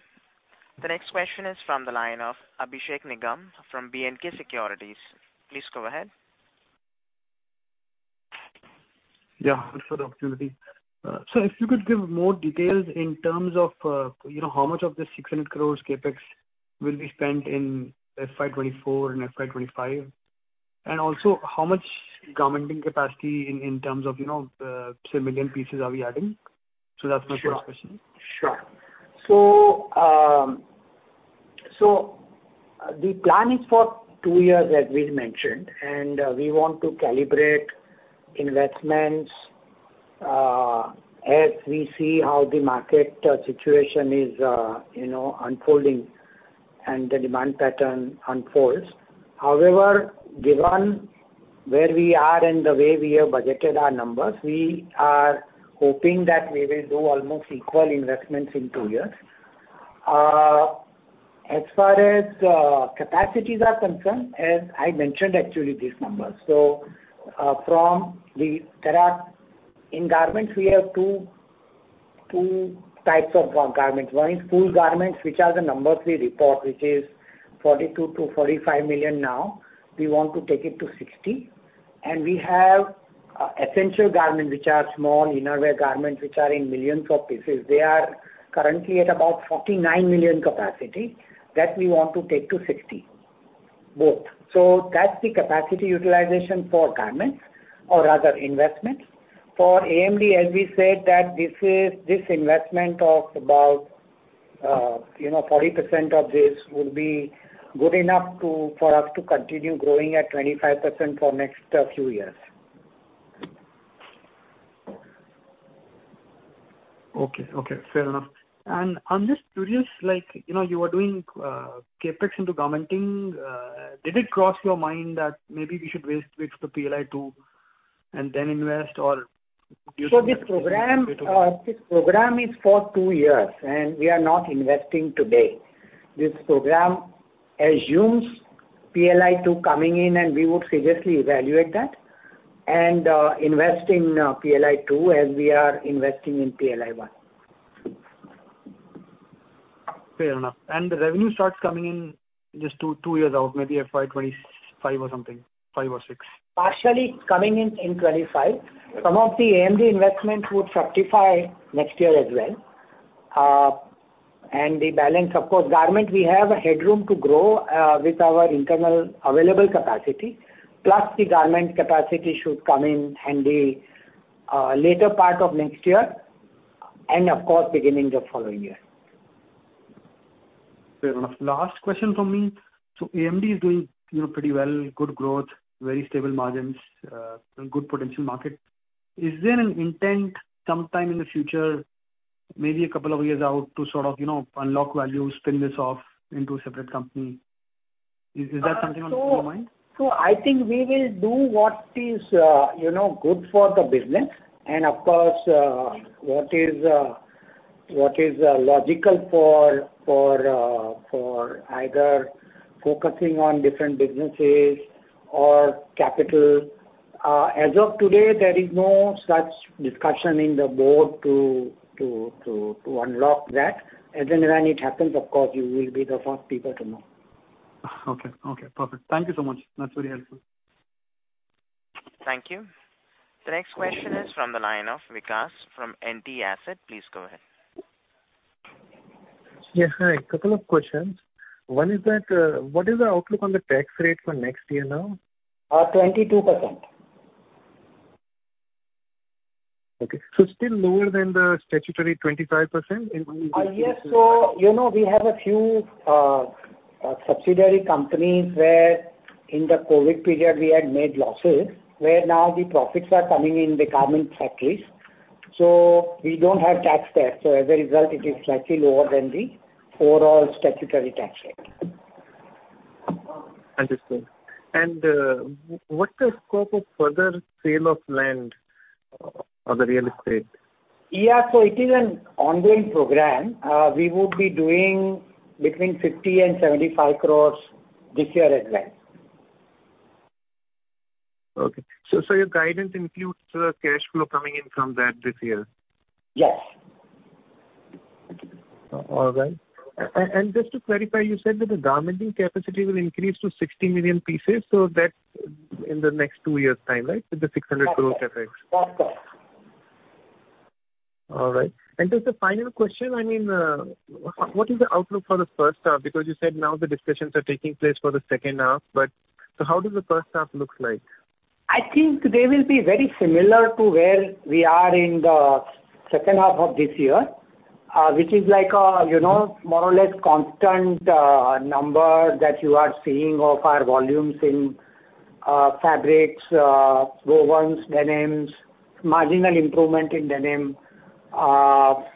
The next question is from the line of Abhishek Nigam from B&K Securities. Please go ahead. ... Yeah, for the opportunity. So if you could give more details in terms of, you know, how much of the 600 crore CapEx will be spent in FY 2024 and FY 2025? And also, how much garmenting capacity in terms of, you know, say, million pieces are we adding? So that's my first question. Sure. Sure. So, the plan is for two years, as we mentioned, and we want to calibrate investments as we see how the market situation is, you know, unfolding and the demand pattern unfolds. However, given where we are and the way we have budgeted our numbers, we are hoping that we will do almost equal investments in two years. As far as capacities are concerned, as I mentioned, actually, these numbers. So, in garments, we have two types of garments. One is full garments, which are the number we report, which is 42-45 million now. We want to take it to 60. And we have essential garments, which are small inner wear garments, which are in millions of pieces. They are currently at about 49 million capacity, that we want to take to 60, both. So that's the capacity utilization for garments, or rather, investment. For AMD, as we said, that this is, this investment of about, you know, 40% of this will be good enough to, for us to continue growing at 25% for next, few years. Okay. Okay, fair enough. And I'm just curious, like, you know, you are doing CapEx into garmenting. Did it cross your mind that maybe we should wait, wait for PLI 2 and then invest, or So this program, this program is for two years, and we are not investing today. This program assumes PLI 2 coming in, and we would seriously evaluate that, and invest in PLI 2 as we are investing in PLI 1. Fair enough. The revenue starts coming in just 2 years out, maybe FY 2025 or something, 5 or 6. Partially coming in in 2025. Some of the AMD investments would fortify next year as well. And the balance, of course, garment, we have headroom to grow with our internal available capacity. Plus, the garment capacity should come in handy later part of next year, and of course, beginning of following year. Fair enough. Last question from me: So AMD is doing, you know, pretty well, good growth, very stable margins, and good potential market. Is there an intent sometime in the future, maybe a couple of years out, to sort of, you know, unlock value, spin this off into a separate company? Is, is that something on your mind? So, I think we will do what is, you know, good for the business, and of course, what is logical for either focusing on different businesses or capital. As of today, there is no such discussion in the board to unlock that. And then when it happens, of course, you will be the first people to know. Okay, okay, perfect. Thank you so much. That's very helpful. Thank you. The next question is from the line of Vikas from NTAsset. Please go ahead. Yeah, hi. A couple of questions. One is that, what is the outlook on the tax rate for next year now? 22%. Okay. So still lower than the statutory 25%? And why is it? Yes. So, you know, we have a few subsidiary companies, where in the COVID period, we had made losses, where now the profits are coming in the garment factories, so we don't have tax there. So as a result, it is slightly lower than the overall statutory tax rate. Understood. And, what's the scope of further sale of land on the real estate? Yeah, so it is an ongoing program. We would be doing between 50 and 75 crores this year as well. Okay. So, your guidance includes the cash flow coming in from that this year? Yes. All right. And just to clarify, you said that the garmenting capacity will increase to 60 million pieces, so that's in the next two years' time, right, with the 600 crore CapEx? That's right. All right. And just a final question, I mean, what is the outlook for the first half? Because you said now the discussions are taking place for the second half, but so how does the first half looks like? I think they will be very similar to where we are in the second half of this year, which is like a, you know, more or less constant, number that you are seeing of our volumes in, fabrics, wovens, denims, marginal improvement in denim.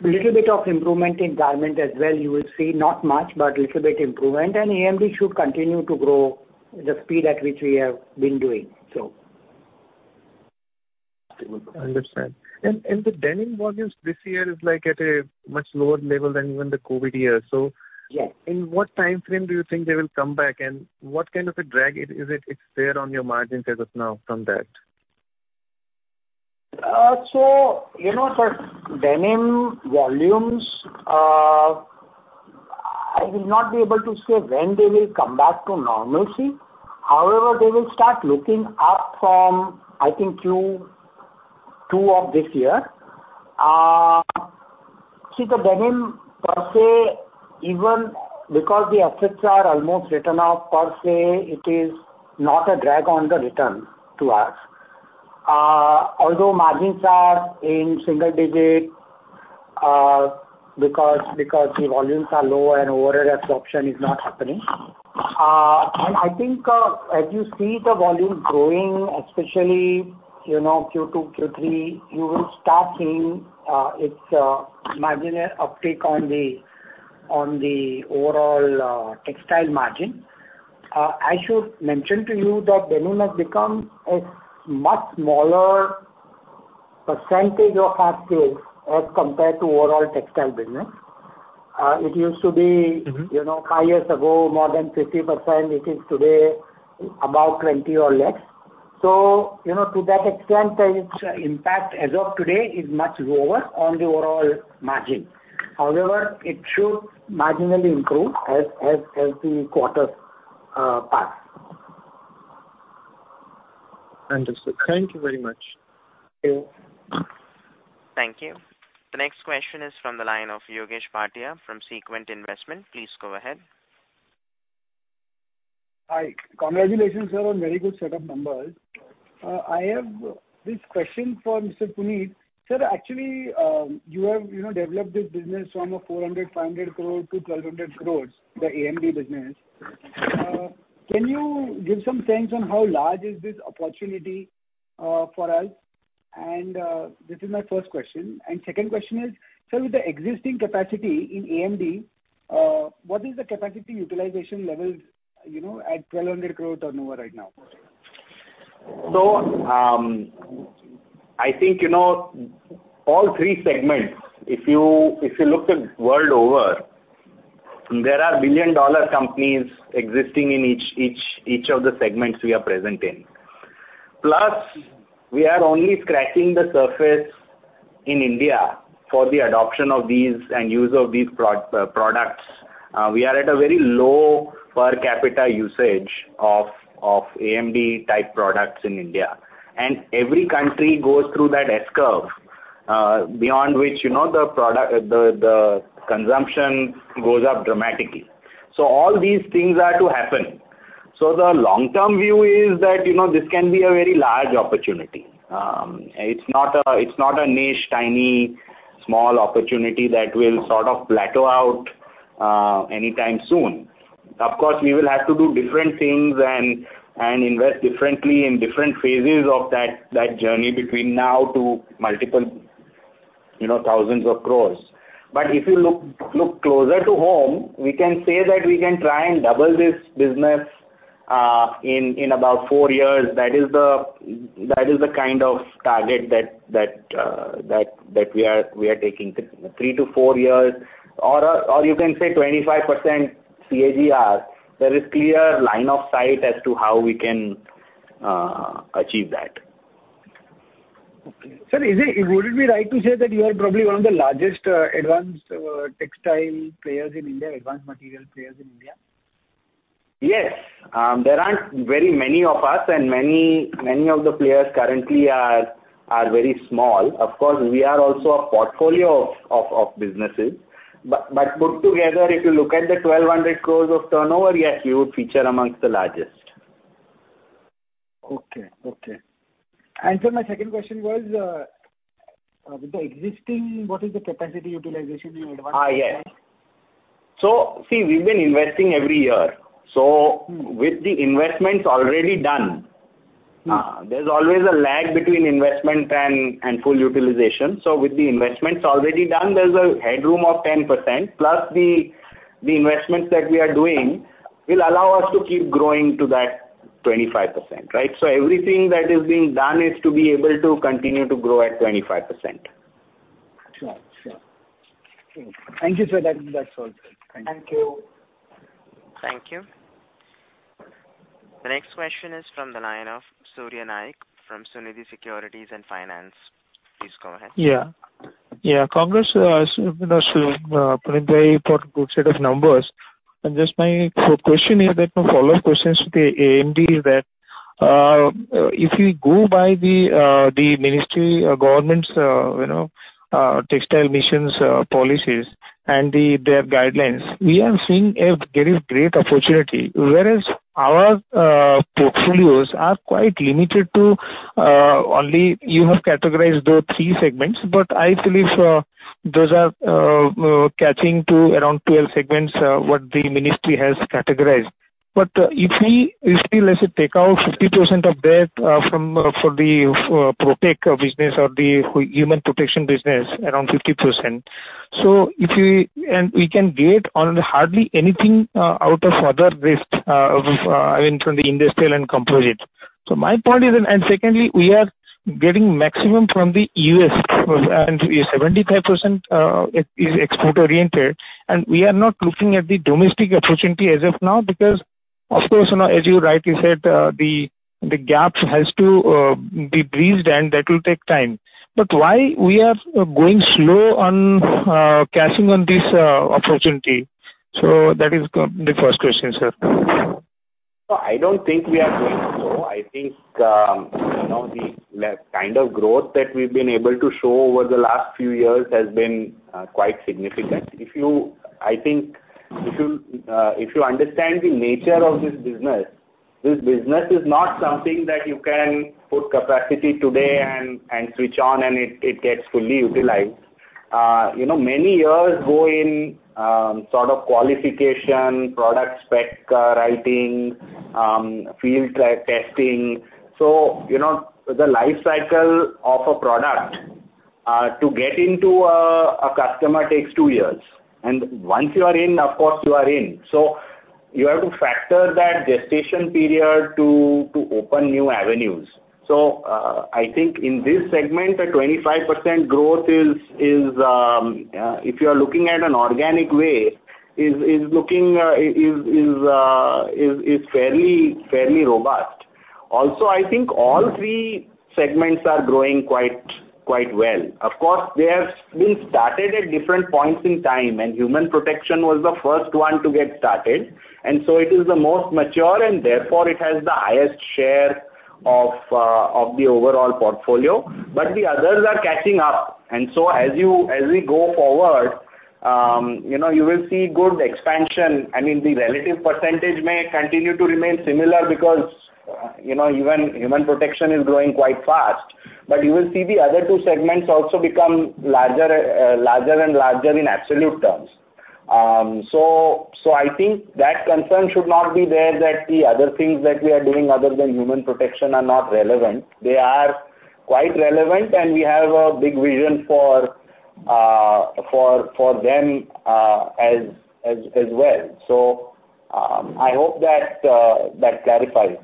Little bit of improvement in garment as well, you will see. Not much, but little bit improvement. And AMD should continue to grow the speed at which we have been doing, so. Understand. And the denim volumes this year is like at a much lower level than even the COVID year. So- Yes. In what timeframe do you think they will come back, and what kind of a drag is it? It's there on your margins as of now from that? So, you know, for denim volumes, I will not be able to say when they will come back to normalcy. However, they will start looking up from, I think, Q2 of this year. See the denim per se, even because the assets are almost written off per se, it is not a drag on the return to us. Although margins are in single digit, because, because the volumes are low and overall absorption is not happening. And I think, as you see the volume growing, especially, you know, Q2, Q3, you will start seeing, its, marginal uptake on the, on the overall, textile margin. I should mention to you that denim has become a much smaller percentage of our sales as compared to overall textile business. It used to be- Mm-hmm. You know, five years ago, more than 50%. It is today about 20 or less. So, you know, to that extent, its impact as of today is much lower on the overall margin. However, it should marginally improve as the quarters pass. Understood. Thank you very much. Thank you. Thank you. The next question is from the line of Yogesh Patil from Sequent Investment. Please go ahead. Hi. Congratulations, sir, on very good set of numbers. I have this question for Mr. Punit. Sir, actually, you have, you know, developed this business from 400 crore-500 crore to 1,200 crores, the AMD business. Can you give some sense on how large is this opportunity, for us? And this is my first question. And second question is, sir, with the existing capacity in AMD, what is the capacity utilization level, you know, at 1,200 crore turnover right now? So, I think, you know, all three segments, if you look at world over, there are billion-dollar companies existing in each of the segments we are present in. Plus, we are only scratching the surface in India for the adoption of these and use of these products. We are at a very low per capita usage of AMD-type products in India, and every country goes through that S-curve, beyond which, you know, the consumption goes up dramatically. So all these things are to happen. So the long-term view is that, you know, this can be a very large opportunity. It's not a niche, tiny, small opportunity that will sort of plateau out anytime soon. Of course, we will have to do different things and invest differently in different phases of that journey between now to multiple, you know, thousands of crores. But if you look closer to home, we can say that we can try and double this business in about 4 years. That is the kind of target that we are taking, 3-4 years, or you can say 25% CAGR. There is clear line of sight as to how we can achieve that. Sir, would it be right to say that you are probably one of the largest advanced textile players in India, advanced material players in India? Yes. There aren't very many of us, and many, many of the players currently are very small. Of course, we are also a portfolio of businesses. But put together, if you look at the 1,200 crores of turnover, yes, we would feature amongst the largest. Okay. Okay. Sir, my second question was, with the existing, what is the capacity utilization in advanced? Yes. So see, we've been investing every year. So with the investments already done, there's always a lag between investment and full utilization. So with the investments already done, there's a headroom of 10%, plus the investments that we are doing will allow us to keep growing to that 25%, right? So everything that is being done is to be able to continue to grow at 25%. Sure. Sure. Thank you, sir. That, that's all. Thank you. Thank you. Thank you. The next question is from the line of Surya Nayak from Sunidhi Securities and Finance. Please go ahead. Yeah. Yeah, congrats, Punit for good set of numbers. And just my question is that follow-up questions to the AMD is that, if we go by the, the ministry or government's, you know, textile missions, policies and their guidelines, we are seeing a very great opportunity, whereas our, portfolios are quite limited to, only you have categorized the three segments, but I believe, those are, catering to around 12 segments, what the ministry has categorized. But, if we, if we let's say, take out 50% of that, from, for the, Protech business or the human protection business, around 50%. So if we-- and we can get hardly anything, out of other rest, I mean, from the industrial and composite. So my point is... And secondly, we are getting maximum from the U.S., and 75% is export-oriented, and we are not looking at the domestic opportunity as of now, because... Of course, you know, as you rightly said, the gap has to be bridged and that will take time. But why we are going slow on cashing on this opportunity? So that is the first question, sir. No, I don't think we are going slow. I think, you know, the kind of growth that we've been able to show over the last few years has been quite significant. If you, I think, if you, if you understand the nature of this business, this business is not something that you can put capacity today and switch on, and it gets fully utilized. You know, many years go in sort of qualification, product spec writing, field testing. So, you know, the life cycle of a product to get into a customer takes two years. And once you are in, of course, you are in. So you have to factor that gestation period to open new avenues. So, I think in this segment, a 25% growth is, if you are looking at an organic way, looking fairly robust. Also, I think all three segments are growing quite well. Of course, they have been started at different points in time, and human protection was the first one to get started, and so it is the most mature, and therefore it has the highest share of the overall portfolio. But the others are catching up, and so as we go forward, you know, you will see good expansion. I mean, the relative percentage may continue to remain similar because, you know, even human protection is growing quite fast. But you will see the other two segments also become larger, larger and larger in absolute terms. So, I think that concern should not be there, that the other things that we are doing other than human protection are not relevant. They are quite relevant, and we have a big vision for them, as well. So, I hope that clarifies.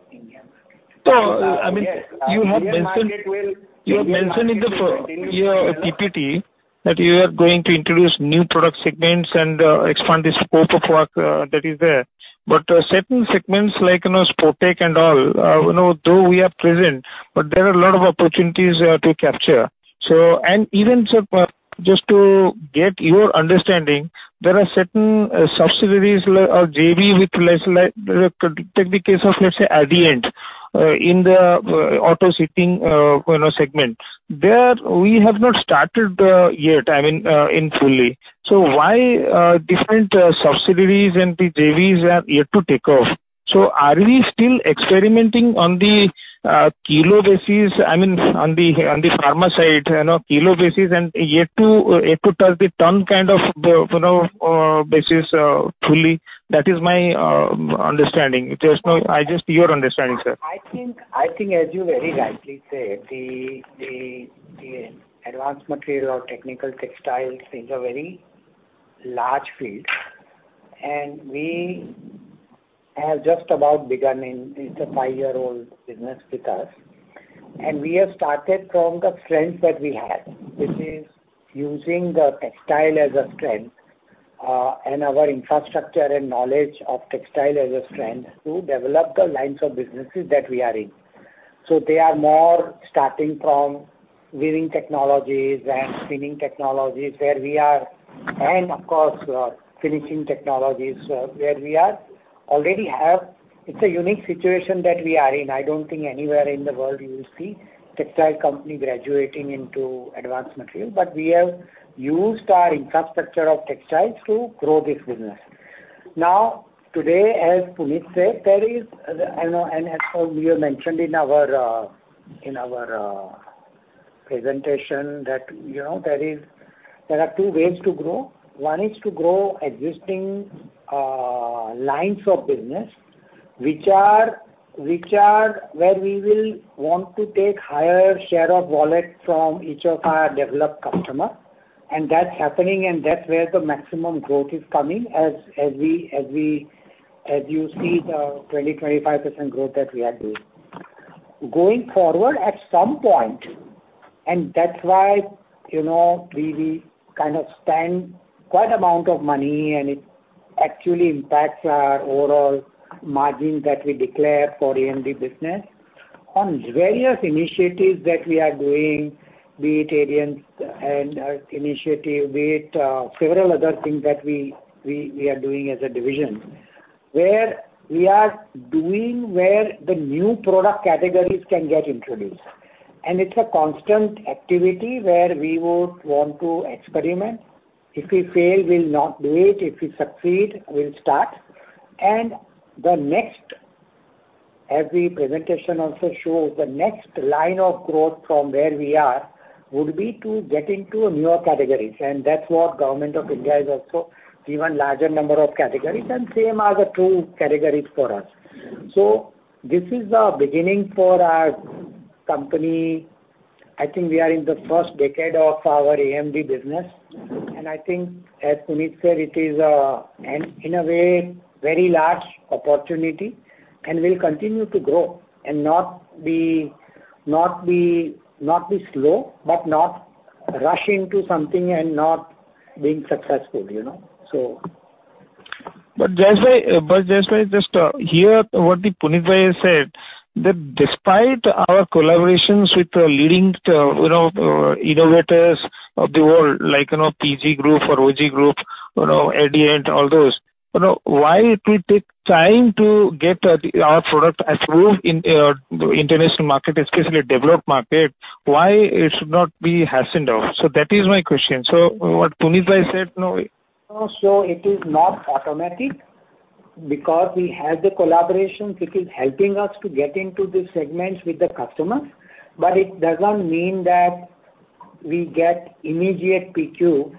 I mean, you have mentioned- Yes. You have mentioned in your PPT that you are going to introduce new product segments and expand the scope of work that is there. But certain segments, like, you know, Sportech and all, you know, though we are present, but there are a lot of opportunities to capture. So and even, sir, just to get your understanding, there are certain subsidiaries or JV with less, like, take the case of, let's say, Adient in the auto seating, you know, segment. There, we have not started yet, I mean, in fully. So why different subsidiaries and the JVs are yet to take off? So are we still experimenting on the kilo basis, I mean, on the pharma side, you know, kilo basis, and yet to touch the ton kind of basis fully? That is my understanding. Just know, I just your understanding, sir. I think, I think as you very rightly say, the advanced material or technical textiles is a very large field, and we have just about begun, it's a five-year-old business with us. And we have started from the strength that we had, which is using the textile as a strength, and our infrastructure and knowledge of textile as a strength to develop the lines of businesses that we are in. So they are more starting from weaving technologies and spinning technologies, where we are and of course, finishing technologies, where we are already have. It's a unique situation that we are in. I don't think anywhere in the world you will see textile company graduating into advanced material, but we have used our infrastructure of textiles to grow this business. Now, today, as Punit said, there is, I know, and as we have mentioned in our presentation, that, you know, there are two ways to grow. One is to grow existing lines of business, which are where we will want to take higher share of wallet from each of our developed customer, and that's happening, and that's where the maximum growth is coming, as you see the 25% growth that we are doing. Going forward, at some point, and that's why, you know, we kind of spend quite amount of money, and it actually impacts our overall margins that we declare for AMD business. On various initiatives that we are doing, be it Adient and initiative, be it several other things that we are doing as a division, where we are doing the new product categories can get introduced. And it's a constant activity where we would want to experiment. If we fail, we'll not do it. If we succeed, we'll start. And the next, as the presentation also shows, the next line of growth from where we are, would be to get into newer categories, and that's what Government of India is also given larger number of categories, and same are the two categories for us. So this is the beginning for our company. I think we are in the first decade of our AMD business, and I think as Punit said, it is, in a way, very large opportunity and will continue to grow and not be slow, but not rush into something and not being successful, you know? So. But just by hearing what Punit Bhai said, that despite our collaborations with the leading, you know, innovators of the world, like, you know, PD Group or OG Group, you know, Adient, all those, you know, why it will take time to get our product approved in the international market, especially developed market, why it should not be hastened out? So that is my question. So what Punit Bhai said, no- No, so it is not automatic, because we have the collaborations, it is helping us to get into the segments with the customers, but it doesn't mean that we get immediate PQ,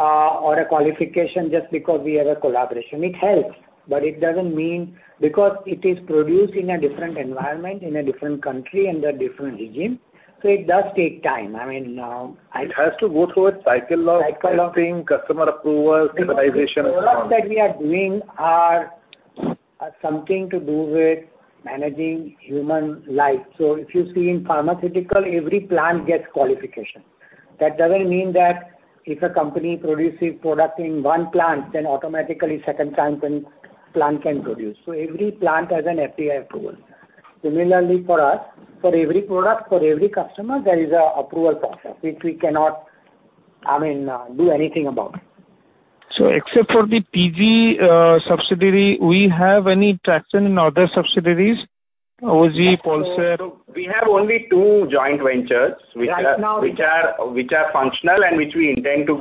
or a qualification just because we have a collaboration. It helps, but it doesn't mean, because it is produced in a different environment, in a different country, under different regime, so it does take time. I mean, It has to go through a cycle of- Cycle of- Testing, customer approvals, standardization, and so on. Products that we are doing are something to do with managing human life. So if you see in pharmaceutical, every plant gets qualification. That doesn't mean that if a company produces product in one plant, then automatically second time can plant can produce. So every plant has an FDA approval. Similarly, for us, for every product, for every customer, there is a approval process, which we cannot, I mean, do anything about. Except for the PD subsidiary, we have any traction in other subsidiaries, OG, Polser? We have only two joint ventures- Right now. Which are functional and which we intend to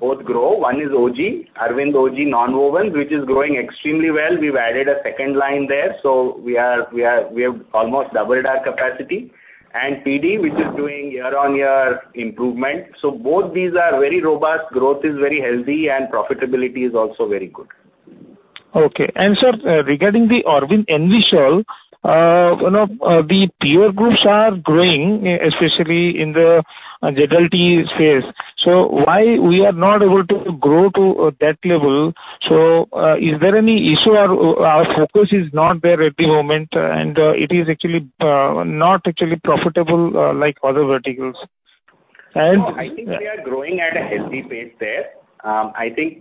both grow. One is OG, Arvind OG Nonwovens, which is growing extremely well. We've added a second line there, so we have almost doubled our capacity. And PD, which is doing year-on-year improvement. So both these are very robust, growth is very healthy, and profitability is also very good. Okay. And sir, regarding the Arvind Envisol, you know, the peer groups are growing, especially in the annuity phase. So why we are not able to grow to that level? So, is there any issue or our focus is not there at the moment, and it is actually not actually profitable like other verticals? And- No, I think we are growing at a healthy pace there. I think,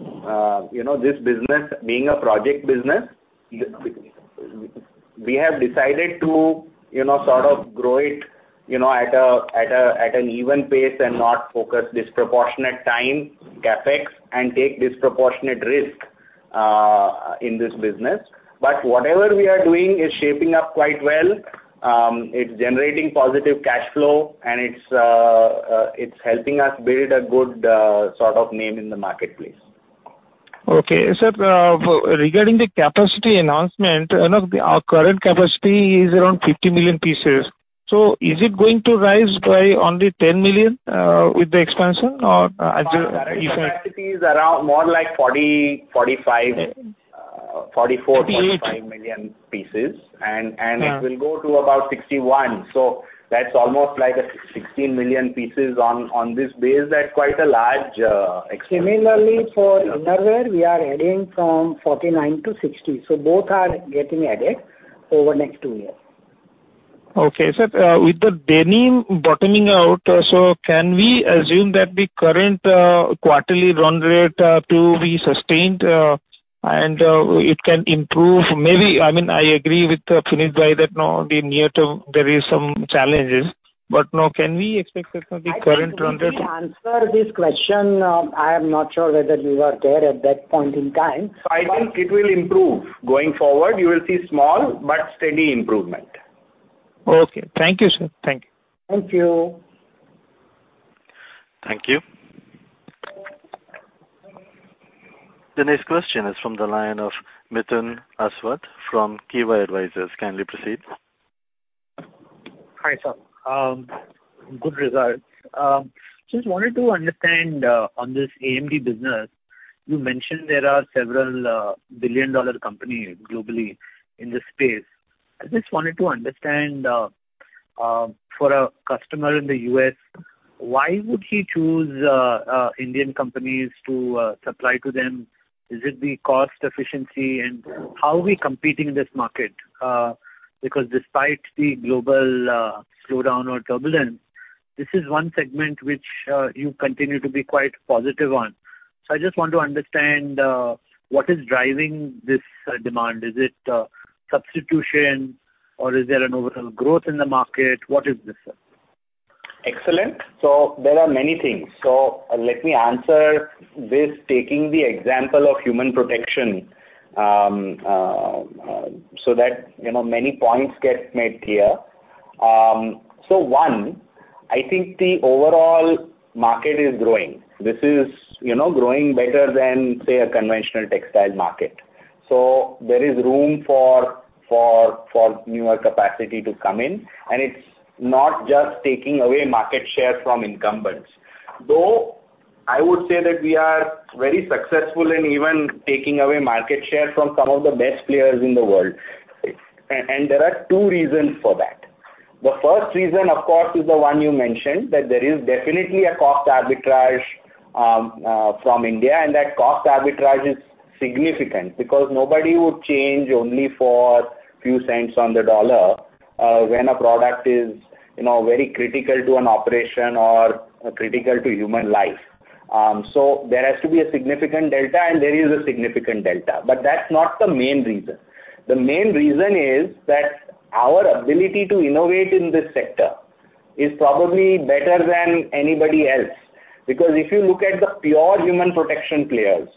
you know, this business being a project business, we have decided to, you know, sort of grow it, you know, at an even pace and not focus disproportionate time, CapEx, and take disproportionate risk in this business. But whatever we are doing is shaping up quite well. It's generating positive cash flow, and it's helping us build a good sort of name in the marketplace. Okay. Sir, regarding the capacity announcement, you know, our current capacity is around 50 million pieces. So is it going to rise by only 10 million with the expansion, or as you said? Capacity is around more like 40, 45, 44- 48. 45 million pieces. Yeah It will go to about 61. So that's almost like a 16 million pieces on this base. That's quite a large expansion. Similarly, for innerwear, we are adding from 40-60. Both are getting added over the next 2 years. Okay, sir. With the denim bottoming out, so can we assume that the current quarterly run rate to be sustained, and it can improve? Maybe, I mean, I agree with Punit Bhai that, you know, the near term, there is some challenges. But now, can we expect that the current run rate- To answer this question, I am not sure whether you were there at that point in time. I think it will improve. Going forward, you will see small but steady improvement. Okay. Thank you, sir. Thank you. Thank you. Thank you. The next question is from the line of Mithun Aswath from Kivah Advisors. Kindly proceed. Hi, sir. Good regards. Just wanted to understand, on this AMD business, you mentioned there are several, billion-dollar company globally in this space. I just wanted to understand, for a customer in the U.S., why would he choose, Indian companies to, supply to them? Is it the cost efficiency, and how are we competing in this market? Because despite the global, slowdown or turbulence, this is one segment which, you continue to be quite positive on. So I just want to understand, what is driving this, demand. Is it, substitution, or is there an overall growth in the market? What is this, sir? Excellent. So there are many things. So let me answer this, taking the example of human protection, so that, you know, many points get made clear. So one, I think the overall market is growing. This is, you know, growing better than, say, a conventional textile market. So there is room for, for, for newer capacity to come in, and it's not just taking away market share from incumbents. Though, I would say that we are very successful in even taking away market share from some of the best players in the world. And there are two reasons for that. The first reason, of course, is the one you mentioned, that there is definitely a cost arbitrage.... from India, and that cost arbitrage is significant, because nobody would change only for few cents on the dollar, when a product is, you know, very critical to an operation or critical to human life. So there has to be a significant delta, and there is a significant delta. But that's not the main reason. The main reason is, that our ability to innovate in this sector is probably better than anybody else. Because if you look at the pure human protection players,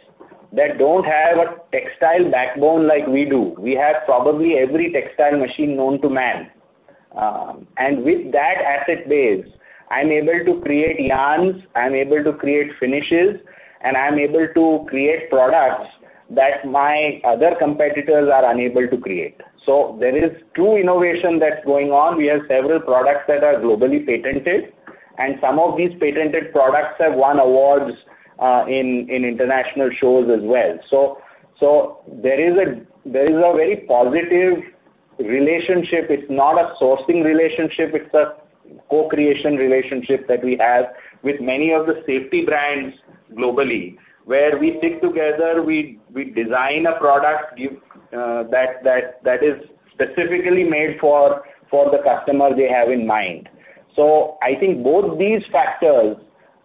that don't have a textile backbone like we do, we have probably every textile machine known to man. And with that asset base, I'm able to create yarns, I'm able to create finishes, and I'm able to create products that my other competitors are unable to create. So there is true innovation that's going on. We have several products that are globally patented, and some of these patented products have won awards in international shows as well. So there is a very positive relationship. It's not a sourcing relationship, it's a co-creation relationship that we have with many of the safety brands globally. Where we sit together, we design a product that is specifically made for the customer they have in mind. So I think both these factors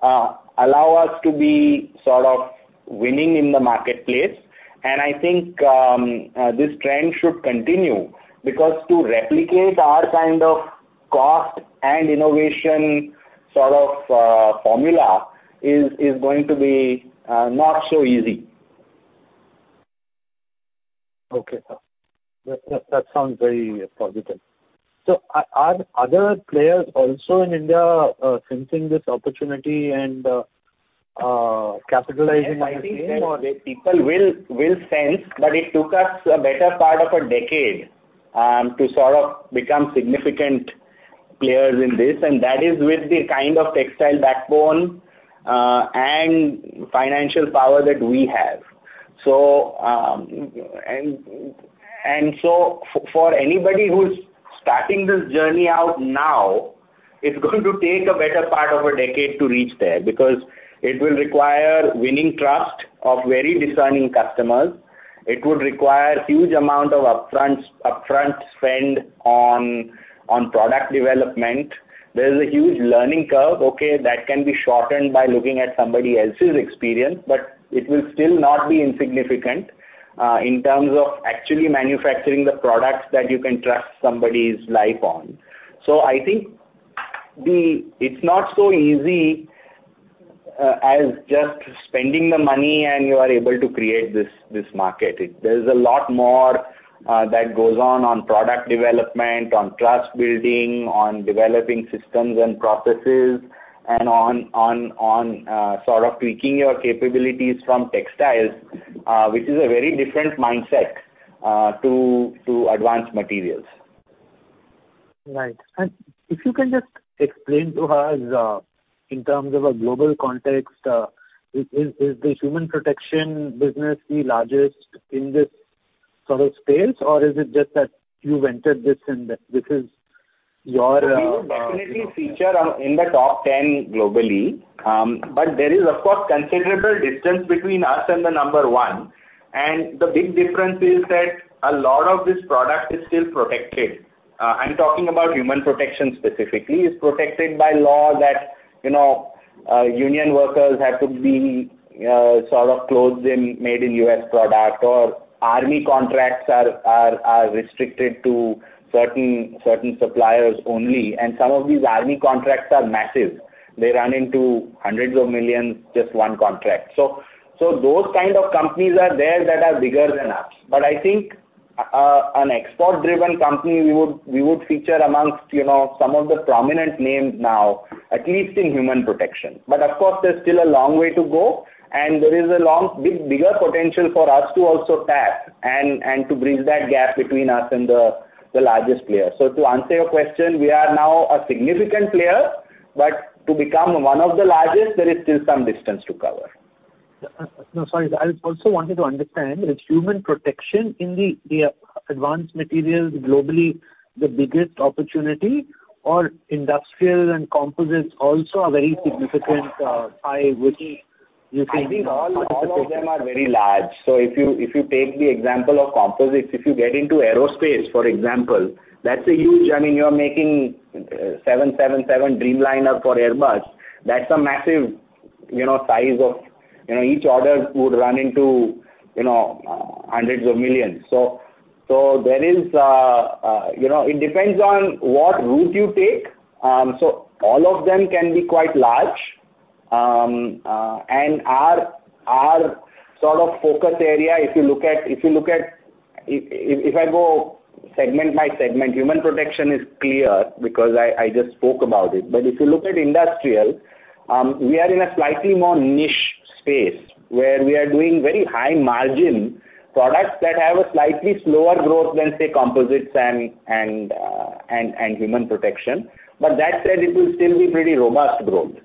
allow us to be sort of winning in the marketplace. And I think this trend should continue, because to replicate our kind of cost and innovation sort of formula is going to be not so easy. Okay, sir. That sounds very positive. So are other players also in India sensing this opportunity and capitalizing on the same or? People will sense, but it took us a better part of a decade to sort of become significant players in this, and that is with the kind of textile backbone and financial power that we have. So, for anybody who's starting this journey out now, it's going to take a better part of a decade to reach there. Because it will require winning trust of very discerning customers. It would require huge amount of upfront spend on product development. There is a huge learning curve. Okay, that can be shortened by looking at somebody else's experience, but it will still not be insignificant in terms of actually manufacturing the products that you can trust somebody's life on. So I think it's not so easy as just spending the money and you are able to create this market. There is a lot more that goes on, on product development, on trust building, on developing systems and processes, and on sort of tweaking your capabilities from textiles, which is a very different mindset to advanced materials. Right. If you can just explain to us, in terms of a global context, is the human protection business the largest in this sort of space, or is it just that you've entered this, and this is your, We would definitely feature on, in the top 10 globally. But there is, of course, considerable distance between us and the number one. And the big difference is that a lot of this product is still protected. I'm talking about human protection specifically. It's protected by law that, you know, union workers have to be sort of clothed in made in US product, or army contracts are restricted to certain suppliers only, and some of these army contracts are massive. They run into $hundreds of millions, just one contract. So those kind of companies are there that are bigger than us. But I think, an export-driven company, we would feature amongst, you know, some of the prominent names now, at least in human protection. Of course, there's still a long way to go, and there is a long, big, bigger potential for us to also tap and, and to bridge that gap between us and the, the largest player. To answer your question, we are now a significant player, but to become one of the largest, there is still some distance to cover. No, sorry. I also wanted to understand, is human protection in the advanced materials globally the biggest opportunity, or industrial and composites also a very significant pie, which you think- I think all, all of them are very large. So if you take the example of composites, if you get into aerospace, for example, that's a huge... I mean, you're making 777 Dreamliner for Airbus. That's a massive, you know, size of— You know, each order would run into, you know, $ hundreds of millions. So, there is... You know, it depends on what route you take. So all of them can be quite large. And our, our sort of focus area, if you look at, if you look at— If I go segment by segment, human protection is clear, because I just spoke about it. But if you look at industrial, we are in a slightly more niche space, where we are doing very high margin products that have a slightly slower growth than, say, composites and human protection. But that said, it will still be pretty robust growth.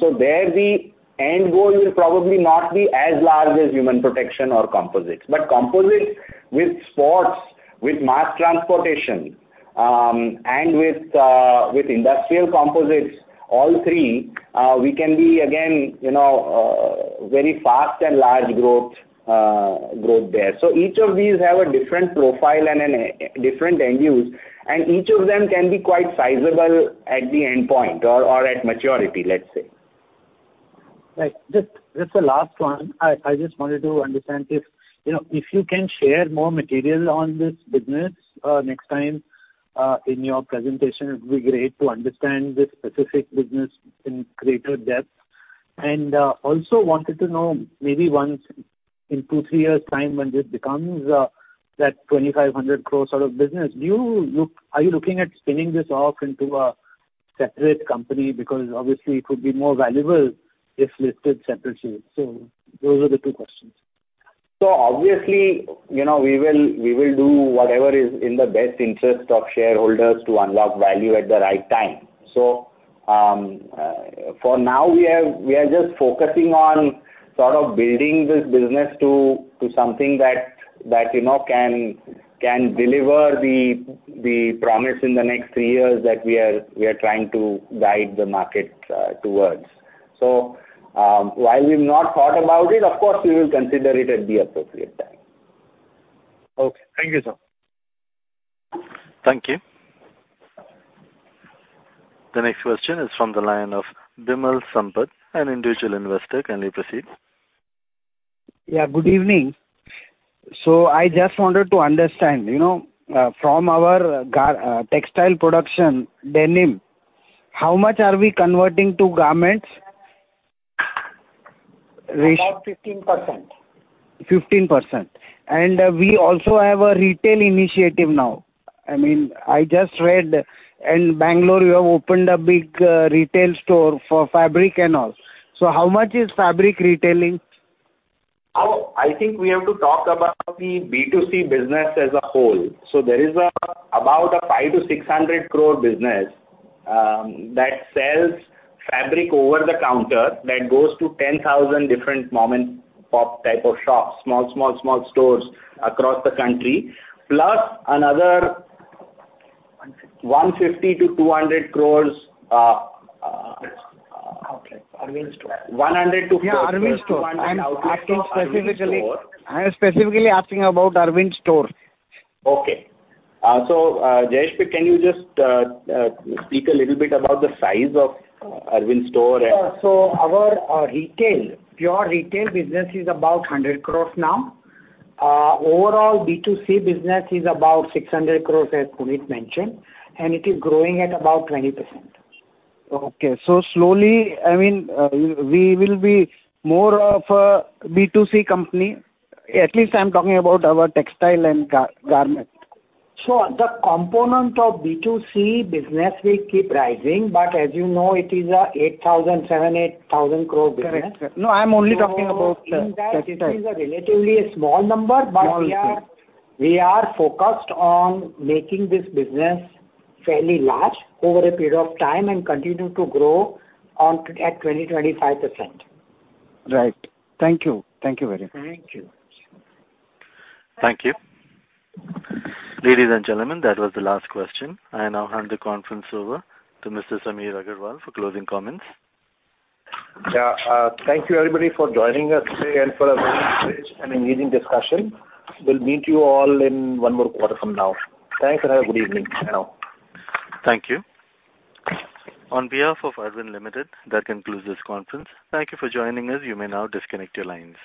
So there the end goal will probably not be as large as human protection or composites. But composites, with sports, with mass transportation and with industrial composites, all three, we can be again, you know, very fast and large growth there. So each of these have a different profile and a different end use, and each of them can be quite sizable at the endpoint or at maturity, let's say. Right. Just the last one. I just wanted to understand if, you know, if you can share more material on this business next time in your presentation, it'd be great to understand this specific business in greater depth. Also wanted to know, maybe once in two, three years' time, when this becomes that 2,500 crore sort of business, do you look, are you looking at spinning this off into a separate company? Because obviously it could be more valuable if listed separately. So those are the two questions. So obviously, you know, we will do whatever is in the best interest of shareholders to unlock value at the right time. So, for now, we are just focusing on sort of building this business to something that, you know, can deliver the promise in the next three years that we are trying to guide the market towards. So, while we've not thought about it, of course, we will consider it at the appropriate time. Okay. Thank you, sir. Thank you. The next question is from the line of Vimal Sampath, an individual investor. Kindly proceed. Yeah, good evening. So I just wanted to understand, you know, from our textile production, denim, how much are we converting to garments? About 15%. 15%. We also have a retail initiative now. I mean, I just read in Bangalore, you have opened a big retail store for fabric and all. So how much is fabric retailing? Oh, I think we have to talk about the B2C business as a whole. So there is about a 500-600 crore business that sells fabric over the counter, that goes to 10,000 different mom-and-pop type of shops, small, small, small stores across the country, plus another-. INR 150 crore-INR 200 crore Outlet, Arvind Store. 100 to- Yeah, Arvind Store. Arvind Store. I'm asking specifically. I am specifically asking about Arvind Store. Okay. So, Jayesh, can you just speak a little bit about the size of Arvind Store and- Sure. So our retail pure retail business is about 100 crore now. Overall, B2C business is about 600 crore, as Punit mentioned, and it is growing at about 20%. Okay. So slowly, I mean, we will be more of a B2C company. At least I'm talking about our textile and garments. The component of B2C business will keep rising, but as you know, it is a 7,000-8,000 crore business. Correct. No, I'm only talking about the textile. It is a relatively small number- Small, yes. We are focused on making this business fairly large over a period of time and continue to grow on at 20-25%. Right. Thank you. Thank you very much. Thank you. Thank you. Ladies and gentlemen, that was the last question. I now hand the conference over to Mr. Samir Agarwal for closing comments. Yeah, thank you, everybody, for joining us today and for a very rich and engaging discussion. We'll meet you all in one more quarter from now. Thanks, and have a good evening now. Thank you. On behalf of Arvind Limited, that concludes this conference. Thank you for joining us. You may now disconnect your lines.